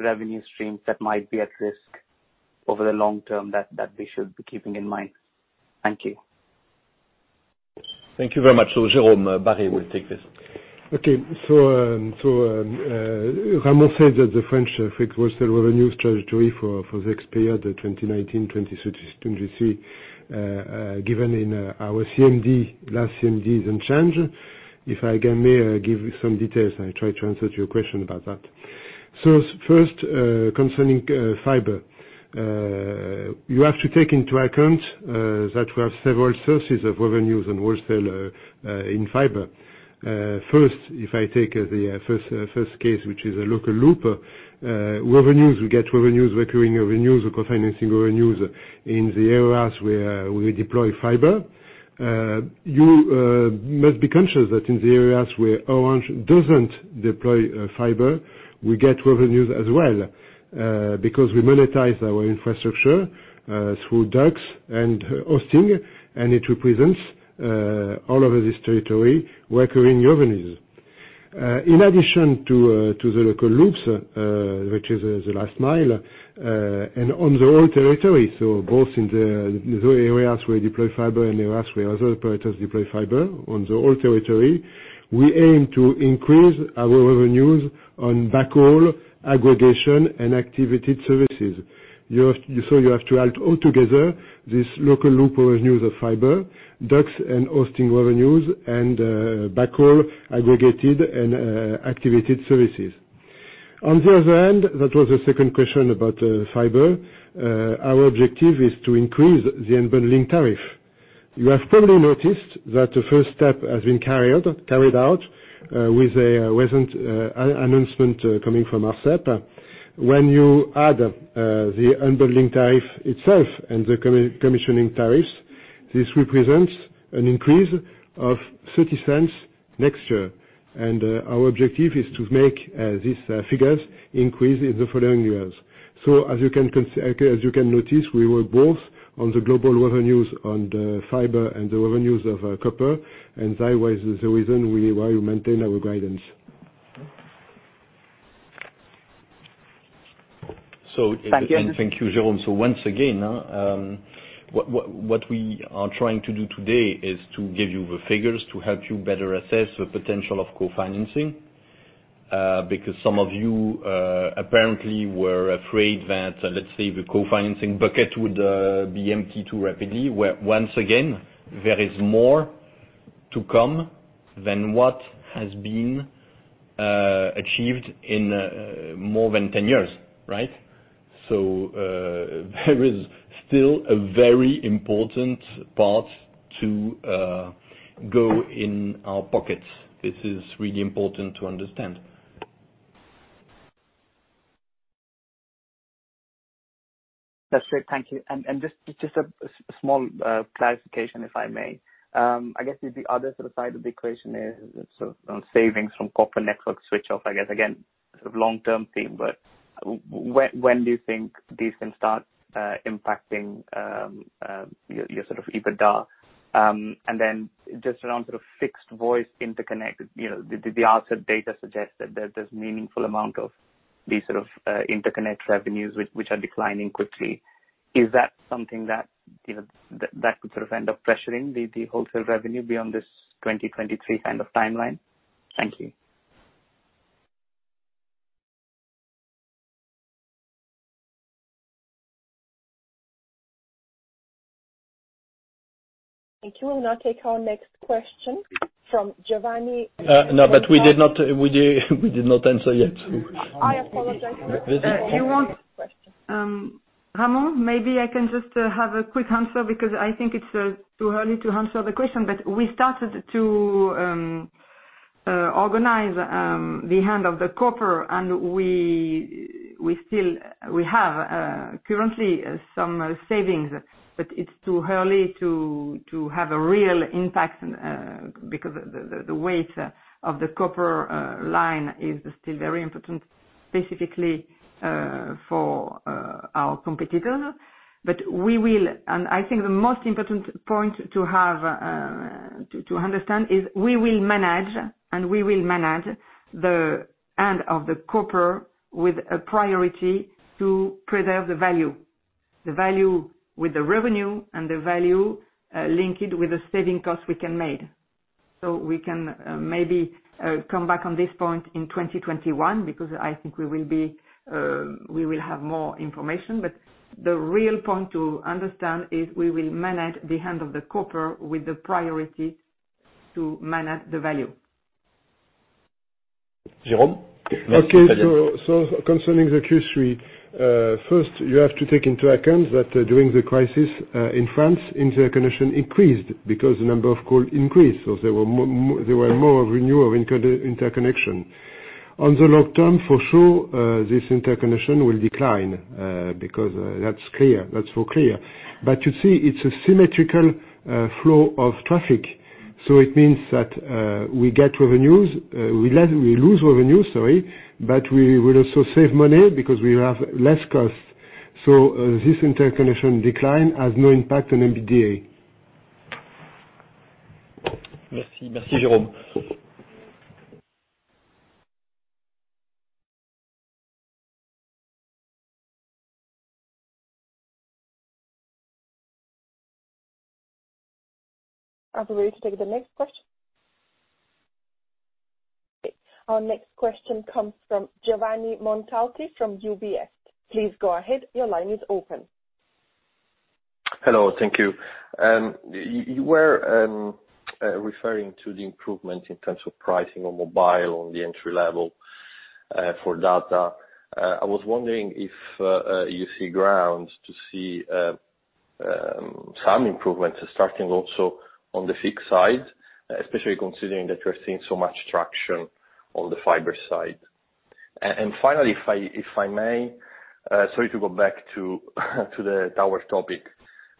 revenue streams that might be at risk over the long term that we should be keeping in mind? Thank you. Thank you very much. Jérôme Barré will take this. Okay. Ramon says that the French fixed wholesale revenue strategy for the next period, 2019-2023, given our CMD, last CMD, is unchanged. If I can give some details, I'll try to answer your question about that. First, concerning fiber, you have to take into account that we have several sources of revenues and wholesale in fiber. First, if I take the first case, which is a local loop, revenues, we get revenues, recurring revenues, co-financing revenues in the areas where we deploy fiber. You must be conscious that in the areas where Orange doesn't deploy fiber, we get revenues as well because we monetize our infrastructure through ducts and hosting, and it represents all over this territory recurring revenues. In addition to the local loops, which is the last mile, and on the whole territory, both in the areas where we deploy fiber and areas where other operators deploy fiber, on the whole territory, we aim to increase our revenues on backhaul aggregation and activated services. You have to add altogether this local loop revenues of fiber, ducts and hosting revenues, and backhaul aggregated and activated services. On the other hand, that was the second question about fiber. Our objective is to increase the unbundling tariff. You have probably noticed that the first step has been carried out with a recent announcement coming from Arcep. When you add the unbundling tariff itself and the commissioning tariffs, this represents an increase of 0.30 next year. Our objective is to make these figures increase in the following years. As you can notice, we work both on the global revenues on the fiber and the revenues of copper, and that was the reason why we maintain our guidance. Thank you. Thank you, Jérôme. Once again, what we are trying to do today is to give you the figures to help you better assess the potential of co-financing because some of you apparently were afraid that, let's say, the co-financing bucket would be emptied too rapidly. Once again, there is more to come than what has been achieved in more than 10 years, right? There is still a very important part to go in our pockets. This is really important to understand. That's great. Thank you. And just a small clarification, if I may. I guess the other sort of side of the equation is sort of savings from corporate network switch-off, I guess. Again, sort of long-term theme, but when do you think these can start impacting your sort of EBITDA? And then just around sort of fixed voice interconnect, the Arcep data suggests that there's a meaningful amount of these sort of interconnect revenues which are declining quickly. Is that something that could sort of end up pressuring the wholesale revenue beyond this 2023 kind of timeline? Thank you. Thank you. We'll now take our next question from Giovanni. No, but we did not answer yet. I apologize. Ramon, maybe I can just have a quick answer because I think it's too early to answer the question, but we started to organize the hand of the corporate, and we have currently some savings, but it's too early to have a real impact because the weight of the corporate line is still very important, specifically for our competitors. We will, and I think the most important point to understand is we will manage, and we will manage the hand of the corporate with a priority to preserve the value, the value with the revenue and the value linked with the saving costs we can make. We can maybe come back on this point in 2021 because I think we will have more information, but the real point to understand is we will manage the hand of the corporate with the priority to manage the value. Jérôme? Okay. Concerning the Q3, first, you have to take into account that during the crisis in France, interconnection increased because the number of calls increased, so there were more renewal of interconnection. On the long term, for sure, this interconnection will decline because that's clear. That's so clear. You see, it's a symmetrical flow of traffic. It means that we get revenues, we lose revenues, sorry, but we will also save money because we have less costs. This interconnection decline has no impact on EBITDA. Merci. Merci, Jérôme. Are we ready to take the next question? Okay. Our next question comes from Giovanni Montalti from UBS. Please go ahead. Your line is open. Hello. Thank you. You were referring to the improvement in terms of pricing on mobile on the entry level for data. I was wondering if you see ground to see some improvements starting also on the fixed side, especially considering that you're seeing so much traction on the fiber side. Finally, if I may, sorry to go back to the tower topic,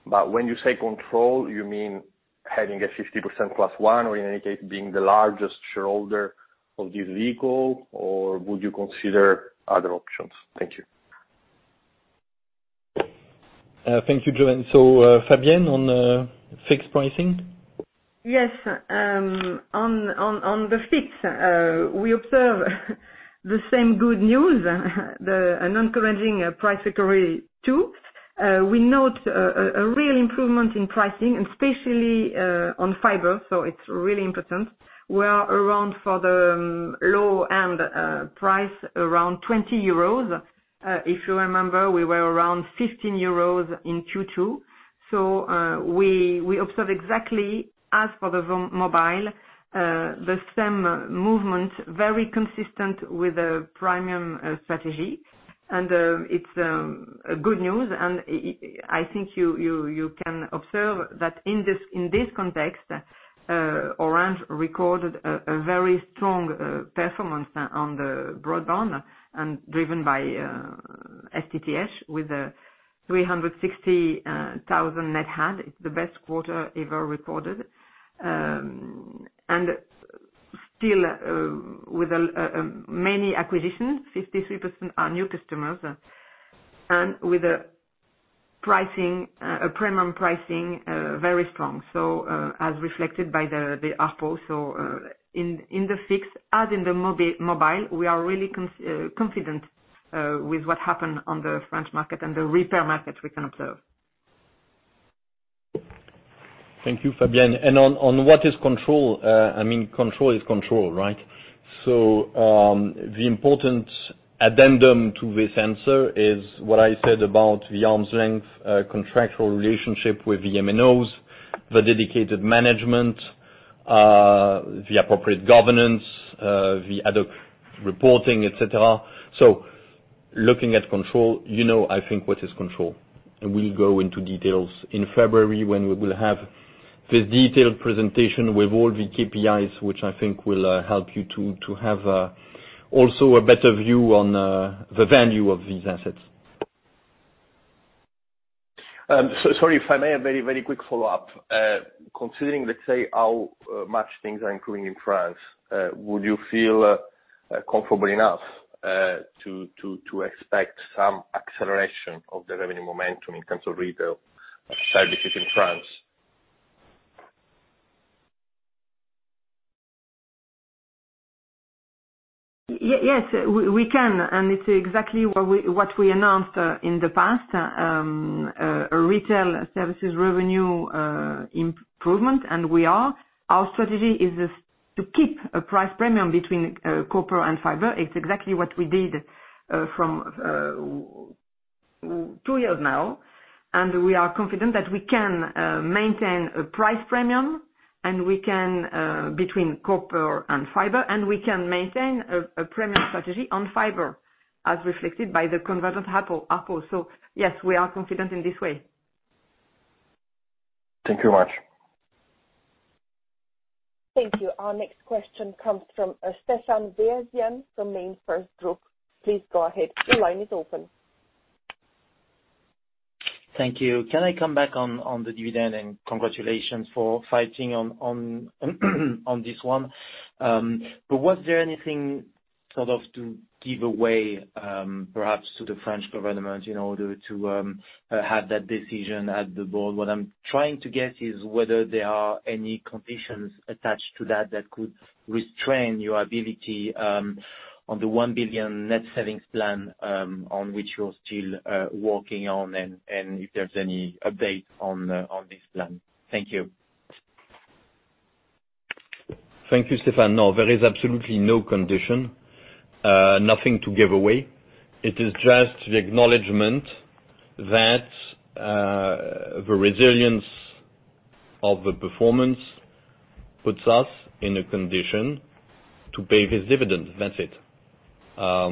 but when you say control, you mean having a 50% + 1% or, in any case, being the largest shareholder of this vehicle, or would you consider other options? Thank you. Thank you, Jérôme. Fabienne, on fixed pricing? Yes. On the fixed, we observe the same good news, an encouraging price recovery too. We note a real improvement in pricing, especially on fiber, so it's really important. We are around for the low-end price around 20 euros. If you remember, we were around 15 euros in Q2. We observe exactly, as for the mobile, the same movement, very consistent with the premium strategy. It is good news. I think you can observe that in this context, Orange recorded a very strong performance on the broadband and driven by FTTH with 360,000 net adds. It is the best quarter ever recorded. Still with many acquisitions, 53% are new customers, and with a premium pricing very strong, as reflected by the ARPO. In the fixed as in the mobile, we are really confident with what happened on the French market and the repair market we can observe. Thank you, Fabienne. On what is control? I mean, control is control, right? The important addendum to this answer is what I said about the arm's length contractual relationship with the MNOs, the dedicated management, the appropriate governance, the ad hoc reporting, etc. Looking at control, you know I think what is control. We will go into details in February when we will have this detailed presentation with all the KPIs, which I think will help you to have also a better view on the value of these assets. Sorry if I may have a very, very quick follow-up. Considering, let's say, how much things are improving in France, would you feel comfortable enough to expect some acceleration of the revenue momentum in terms of retail services in France? Yes, we can. It is exactly what we announced in the past, retail services revenue improvement, and we are. Our strategy is to keep a price premium between corporate and fiber. It is exactly what we did from two years now. We are confident that we can maintain a price premium between corporate and fiber, and we can maintain a premium strategy on fiber as reflected by the convergent ARPO. Yes, we are confident in this way. Thank you very much. Thank you. Our next question comes from Stéphane Beyazian from MainFirst Group. Please go ahead. Your line is open. Thank you. Can I come back on the dividend and congratulations for fighting on this one? Was there anything sort of to give away perhaps to the French government in order to have that decision at the board? What I'm trying to guess is whether there are any conditions attached to that that could restrain your ability on the 1 billion net savings plan on which you're still working on and if there's any update on this plan. Thank you. Thank you, Stéphane. No, there is absolutely no condition, nothing to give away. It is just the acknowledgment that the resilience of the performance puts us in a condition to pay this dividend. That's it. There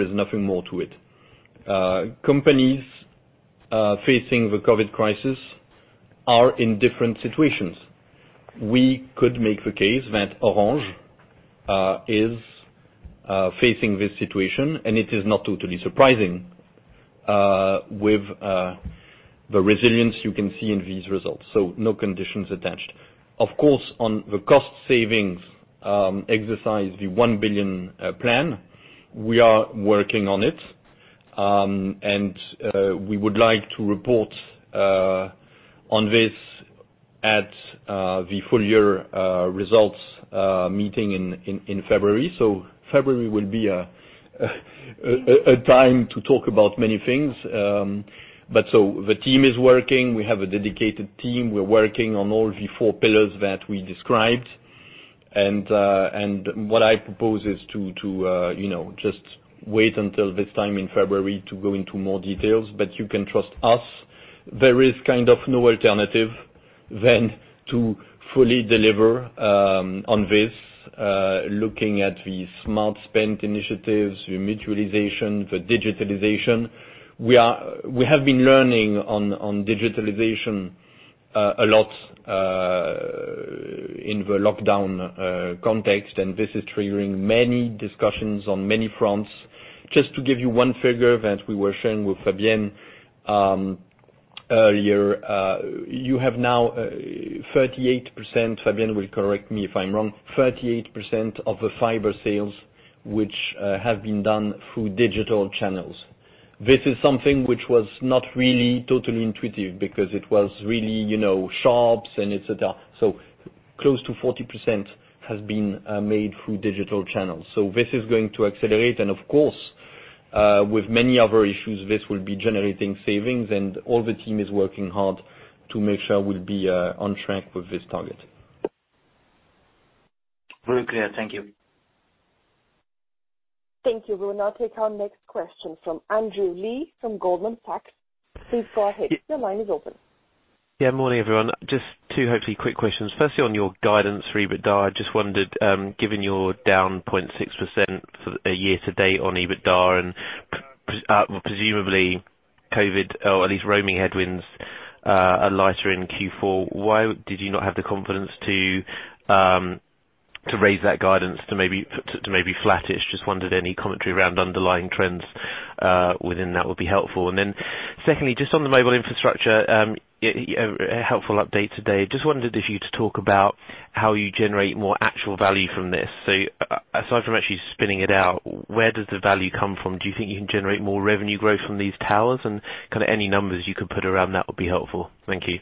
is nothing more to it. Companies facing the COVID crisis are in different situations. We could make the case that Orange is facing this situation, and it is not totally surprising with the resilience you can see in these results. No conditions attached. Of course, on the cost savings exercise, the 1 billion plan, we are working on it. We would like to report on this at the full-year results meeting in February. February will be a time to talk about many things. The team is working. We have a dedicated team. We're working on all the four pillars that we described. What I propose is to just wait until this time in February to go into more details, but you can trust us. There is kind of no alternative then to fully deliver on this, looking at the smart spend initiatives, the mutualization, the digitalization. We have been learning on digitalization a lot in the lockdown context, and this is triggering many discussions on many fronts. Just to give you one figure that we were sharing with Fabienne earlier, you have now 38%—Fabienne will correct me if I'm wrong—38% of the fiber sales which have been done through digital channels. This is something which was not really totally intuitive because it was really shops and etc. Close to 40% has been made through digital channels. This is going to accelerate. Of course, with many other issues, this will be generating savings, and all the team is working hard to make sure we'll be on track with this target. Very clear. Thank you. Thank you. We will now take our next question from Andrew Lee from Goldman Sachs. Please go ahead. Your line is open. Yeah. Morning, everyone. Just two hopefully quick questions. Firstly, on your guidance for EBITDA, I just wondered, given you are down 0.6% year to date on EBITDA and presumably COVID or at least roaming headwinds are lighter in Q4, why did you not have the confidence to raise that guidance to maybe flattish? I just wondered any commentary around underlying trends within that would be helpful. Secondly, just on the mobile infrastructure, a helpful update today. I just wondered if you could talk about how you generate more actual value from this. Aside from actually spinning it out, where does the value come from? Do you think you can generate more revenue growth from these towers? Any numbers you could put around that would be helpful. Thank you.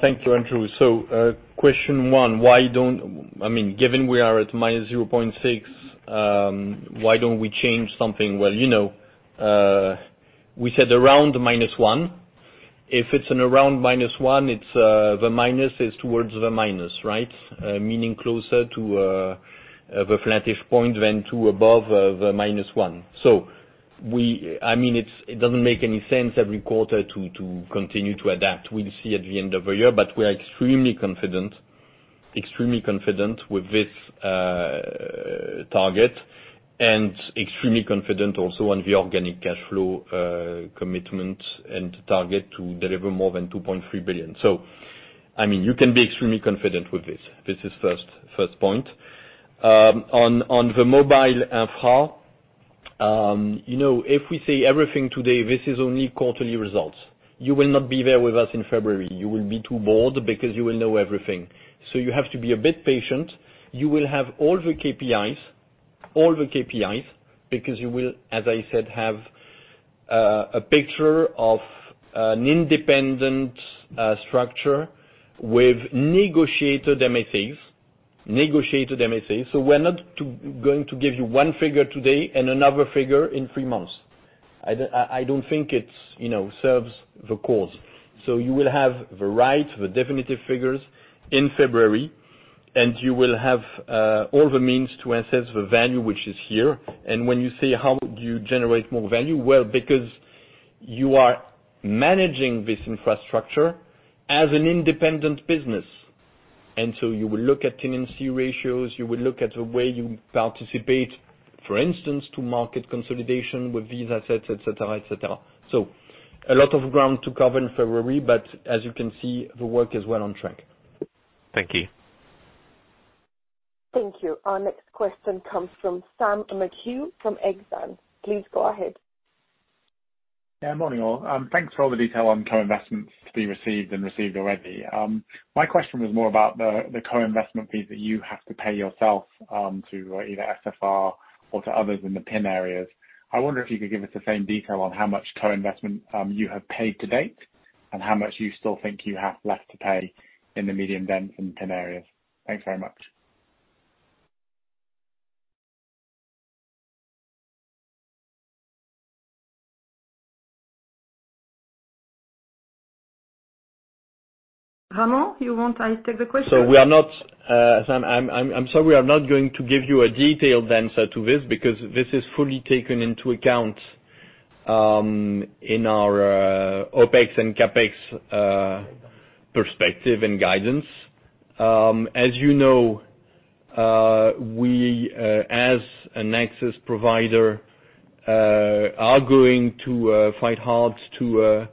Thank you, Andrew. Question one, why don't—I mean, given we are at -0.6%, why don't we change something? We said around -1%. If it's around -1%, the minus is towards the minus, right? Meaning closer to the flattish point than to above the -1%. I mean, it doesn't make any sense every quarter to continue to adapt. We'll see at the end of the year, but we are extremely confident, extremely confident with this target, and extremely confident also on the organic cash flow commitment and target to deliver more than 2.3 billion. I mean, you can be extremely confident with this. This is first point. On the mobile infra, if we say everything today, this is only quarterly results. You will not be there with us in February. You will be too bored because you will know everything. You have to be a bit patient. You will have all the KPIs, all the KPIs, because you will, as I said, have a picture of an independent structure with negotiated MSAs. We're not going to give you one figure today and another figure in three months. I don't think it serves the cause. You will have the right, the definitive figures in February, and you will have all the means to assess the value which is here. When you say, "How do you generate more value?" Well, because you are managing this infrastructure as an independent business. You will look at tenancy ratios. You will look at the way you participate, for instance, to market consolidation with these assets, etc, etc. A lot of ground to cover in February, but as you can see, the work is well on track. Thank you. Thank you. Our next question comes from Sam McHugh from Exxon. Please go ahead. Yeah. Morning, all. Thanks for all the detail on co-investments to be received and received already. My question was more about the co-investment fees that you have to pay yourself to either SFR or to others in the PIN areas. I wonder if you could give us the same detail on how much co-investment you have paid to date and how much you still think you have left to pay in the medium-dense and PIN areas. Thanks very much. Ramon, you want to take the question? We are not, I'm sorry, we are not going to give you a detailed answer to this because this is fully taken into account in our OpEx and CapEx perspective and guidance. As you know, we as an access provider are going to fight hard to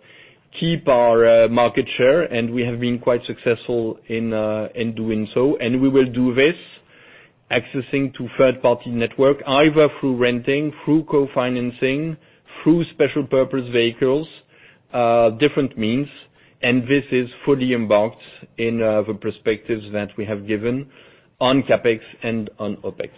keep our market share, and we have been quite successful in doing so. We will do this accessing to third-party network, either through renting, through co-financing, through special purpose vehicles, different means. This is fully embarked in the perspectives that we have given on CapEx and on OpEx.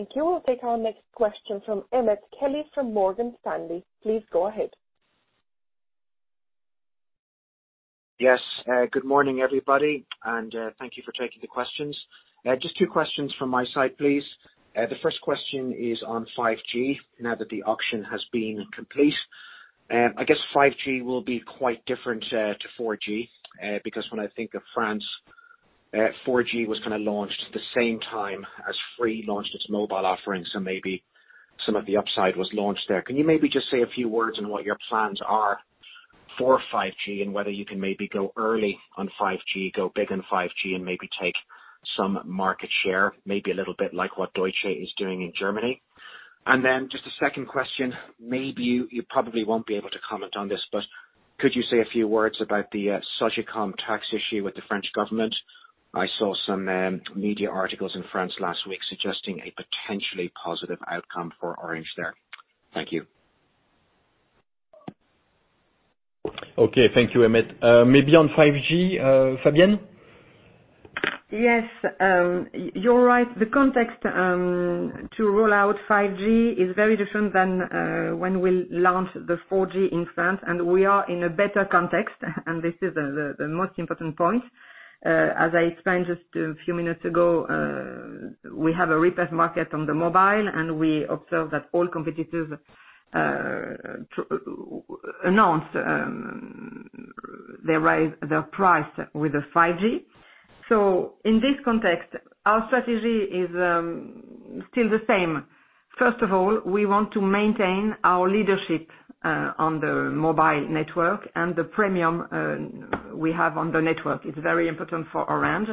Thank you. We'll take our next question from Emmett Kelly from Morgan Stanley. Please go ahead. Yes. Good morning, everybody. Thank you for taking the questions. Just two questions from my side, please. The first question is on 5G now that the auction has been complete. I guess 5G will be quite different to 4G because when I think of France, 4G was kind of launched at the same time as Free launched its mobile offering, so maybe some of the upside was launched there. Can you maybe just say a few words on what your plans are for 5G and whether you can maybe go early on 5G, go big on 5G, and maybe take some market share, maybe a little bit like what Deutsche is doing in Germany? Just a second question. Maybe you probably won't be able to comment on this, but could you say a few words about the Sogicom tax issue with the French government? I saw some media articles in France last week suggesting a potentially positive outcome for Orange there. Thank you. Okay. Thank you, Emmett. Maybe on 5G, Fabienne? Yes. You're right. The context to roll out 5G is very different than when we launched the 4G in France. We are in a better context, and this is the most important point. As I explained just a few minutes ago, we have a repair market on the mobile, and we observe that all competitors announce their price with the 5G. In this context, our strategy is still the same. First of all, we want to maintain our leadership on the mobile network and the premium we have on the network. It's very important for Orange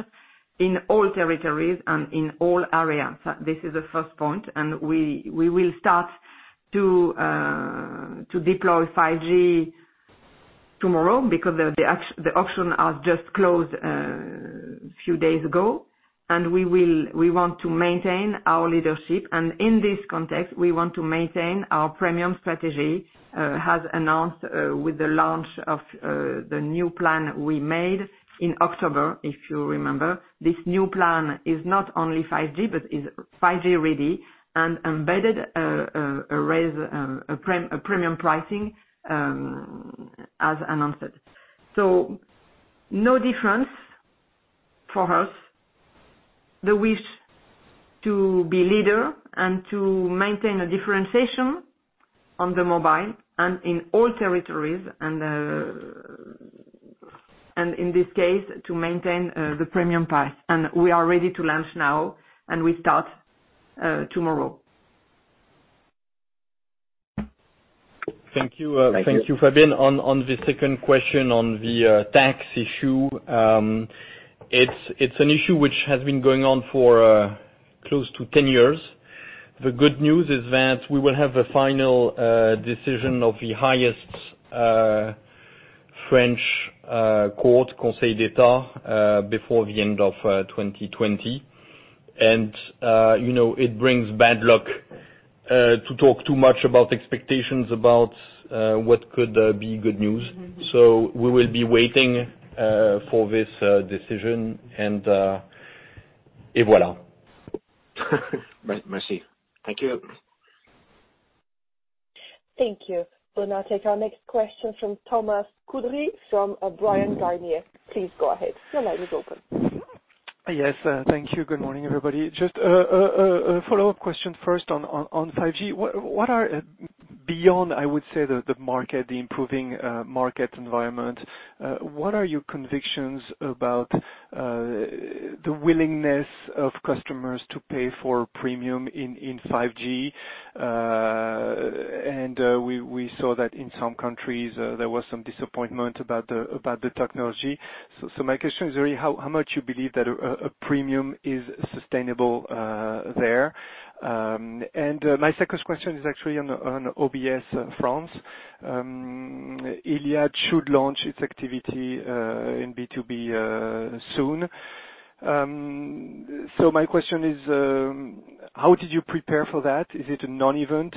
in all territories and in all areas. This is the first point. We will start to deploy 5G tomorrow because the auction has just closed a few days ago. We want to maintain our leadership. In this context, we want to maintain our premium strategy. As announced with the launch of the new plan we made in October, if you remember. This new plan is not only 5G, but is 5G ready and embedded a premium pricing as announced. No difference for us, the wish to be leader and to maintain a differentiation on the mobile and in all territories and in this case, to maintain the premium price. We are ready to launch now, and we start tomorrow. Thank you. Thank you, Fabienne. On the second question on the tax issue, it's an issue which has been going on for close to 10 years. The good news is that we will have the final decision of the highest French court, Conseil d'État, before the end of 2020. It brings bad luck to talk too much about expectations about what could be good news. We will be waiting for this decision, and voilà. Merci. Thank you. Thank you. We'll now take our next question from Thomas Coudry from Bryan Garnier. Please go ahead. Your line is open. Yes. Thank you. Good morning, everybody. Just a follow-up question first on 5G. What are, beyond, I would say, the market, the improving market environment, what are your convictions about the willingness of customers to pay for premium in 5G? We saw that in some countries, there was some disappointment about the technology. My question is really, how much you believe that a premium is sustainable there? My second question is actually on OBS France. Iliad should launch its activity in B2B soon. My question is, how did you prepare for that? Is it a non-event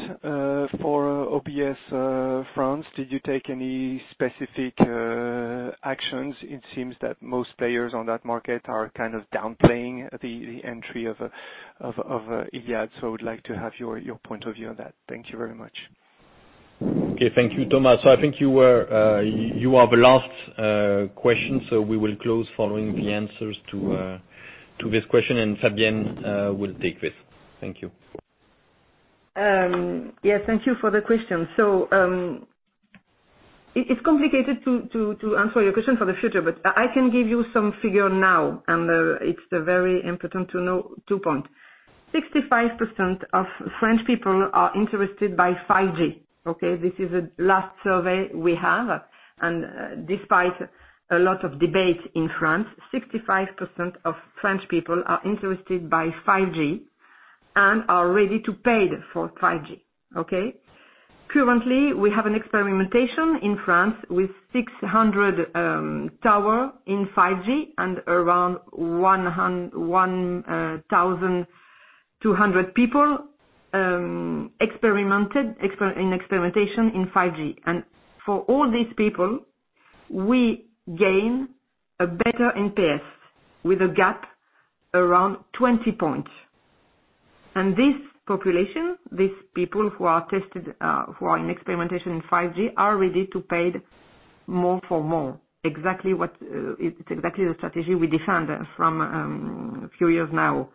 for OBS France? Did you take any specific actions? It seems that most players on that market are kind of downplaying the entry of Iliad. I would like to have your point of view on that. Thank you very much. Okay. Thank you, Thomas. I think you are the last question, so we will close following the answers to this question, and Fabienne will take this. Thank you. Yes. Thank you for the question. It's complicated to answer your question for the future, but I can give you some figure now, and it's very important to know two points. 65% of French people are interested by 5G. Okay? This is the last survey we have. Despite a lot of debate in France, 65% of French people are interested by 5G and are ready to pay for 5G. Okay? Currently, we have an experimentation in France with 600 towers in 5G and around 1,200 people in experimentation in 5G. For all these people, we gain a better NPS with a gap around 20 points. This population, these people who are tested, who are in experimentation in 5G, are ready to pay more for more. It's exactly the strategy we defend from a few years now.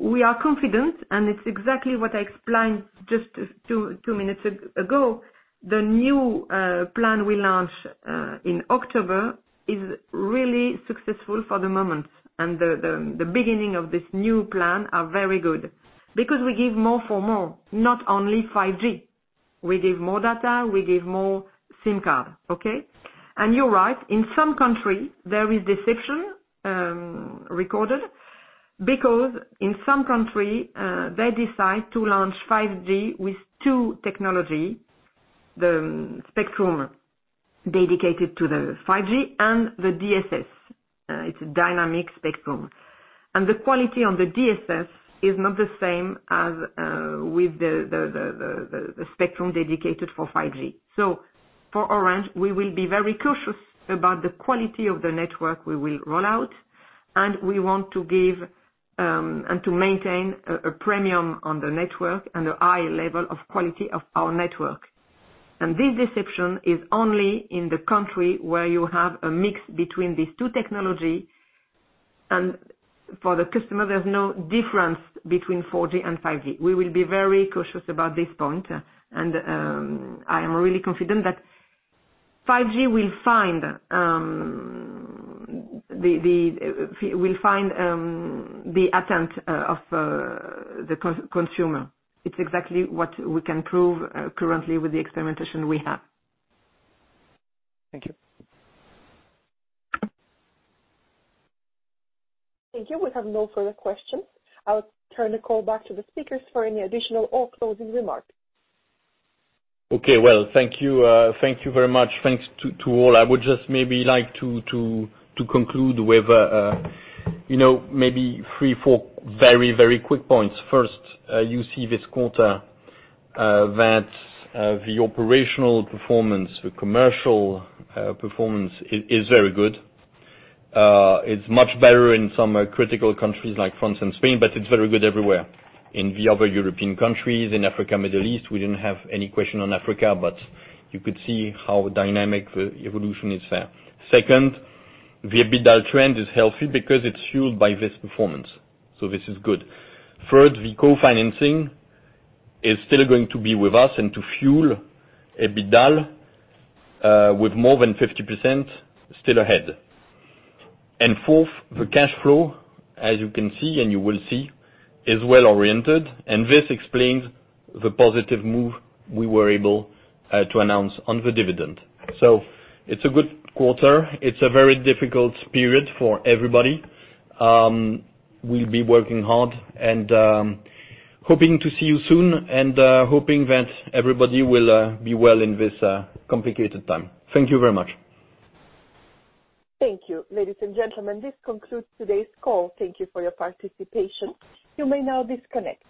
We are confident, and it's exactly what I explained just two minutes ago. The new plan we launched in October is really successful for the moment. The beginning of this new plan is very good because we give more for more, not only 5G. We give more data. We give more SIM cards. Okay? You're right. In some countries, there is deception recorded because in some countries, they decide to launch 5G with two technologies: the spectrum dedicated to the 5G and the DSS. It's a dynamic spectrum. The quality on the DSS is not the same as with the spectrum dedicated for 5G. For Orange, we will be very cautious about the quality of the network we will roll out, and we want to give and to maintain a premium on the network and a high level of quality of our network. This deception is only in the country where you have a mix between these two technologies. For the customer, there is no difference between 4G and 5G. We will be very cautious about this point. I am really confident that 5G will find the attempt of the consumer. It is exactly what we can prove currently with the experimentation we have. Thank you. Thank you. We have no further questions. I'll turn the call back to the speakers for any additional or closing remarks. Thank you. Thank you very much. Thanks to all. I would just maybe like to conclude with maybe three, four very, very quick points. First, you see this quarter that the operational performance, the commercial performance is very good. It's much better in some critical countries like France and Spain, but it's very good everywhere. In the other European countries, in Africa and Middle East, we did not have any question on Africa, but you could see how dynamic the evolution is there. Second, the EBITDA trend is healthy because it's fueled by this performance. This is good. Third, the co-financing is still going to be with us and to fuel EBITDA with more than 50% still ahead. Fourth, the cash flow, as you can see and you will see, is well oriented. This explains the positive move we were able to announce on the dividend. It's a good quarter. It's a very difficult period for everybody. We'll be working hard and hoping to see you soon and hoping that everybody will be well in this complicated time. Thank you very much. Thank you. Ladies and gentlemen, this concludes today's call. Thank you for your participation. You may now disconnect.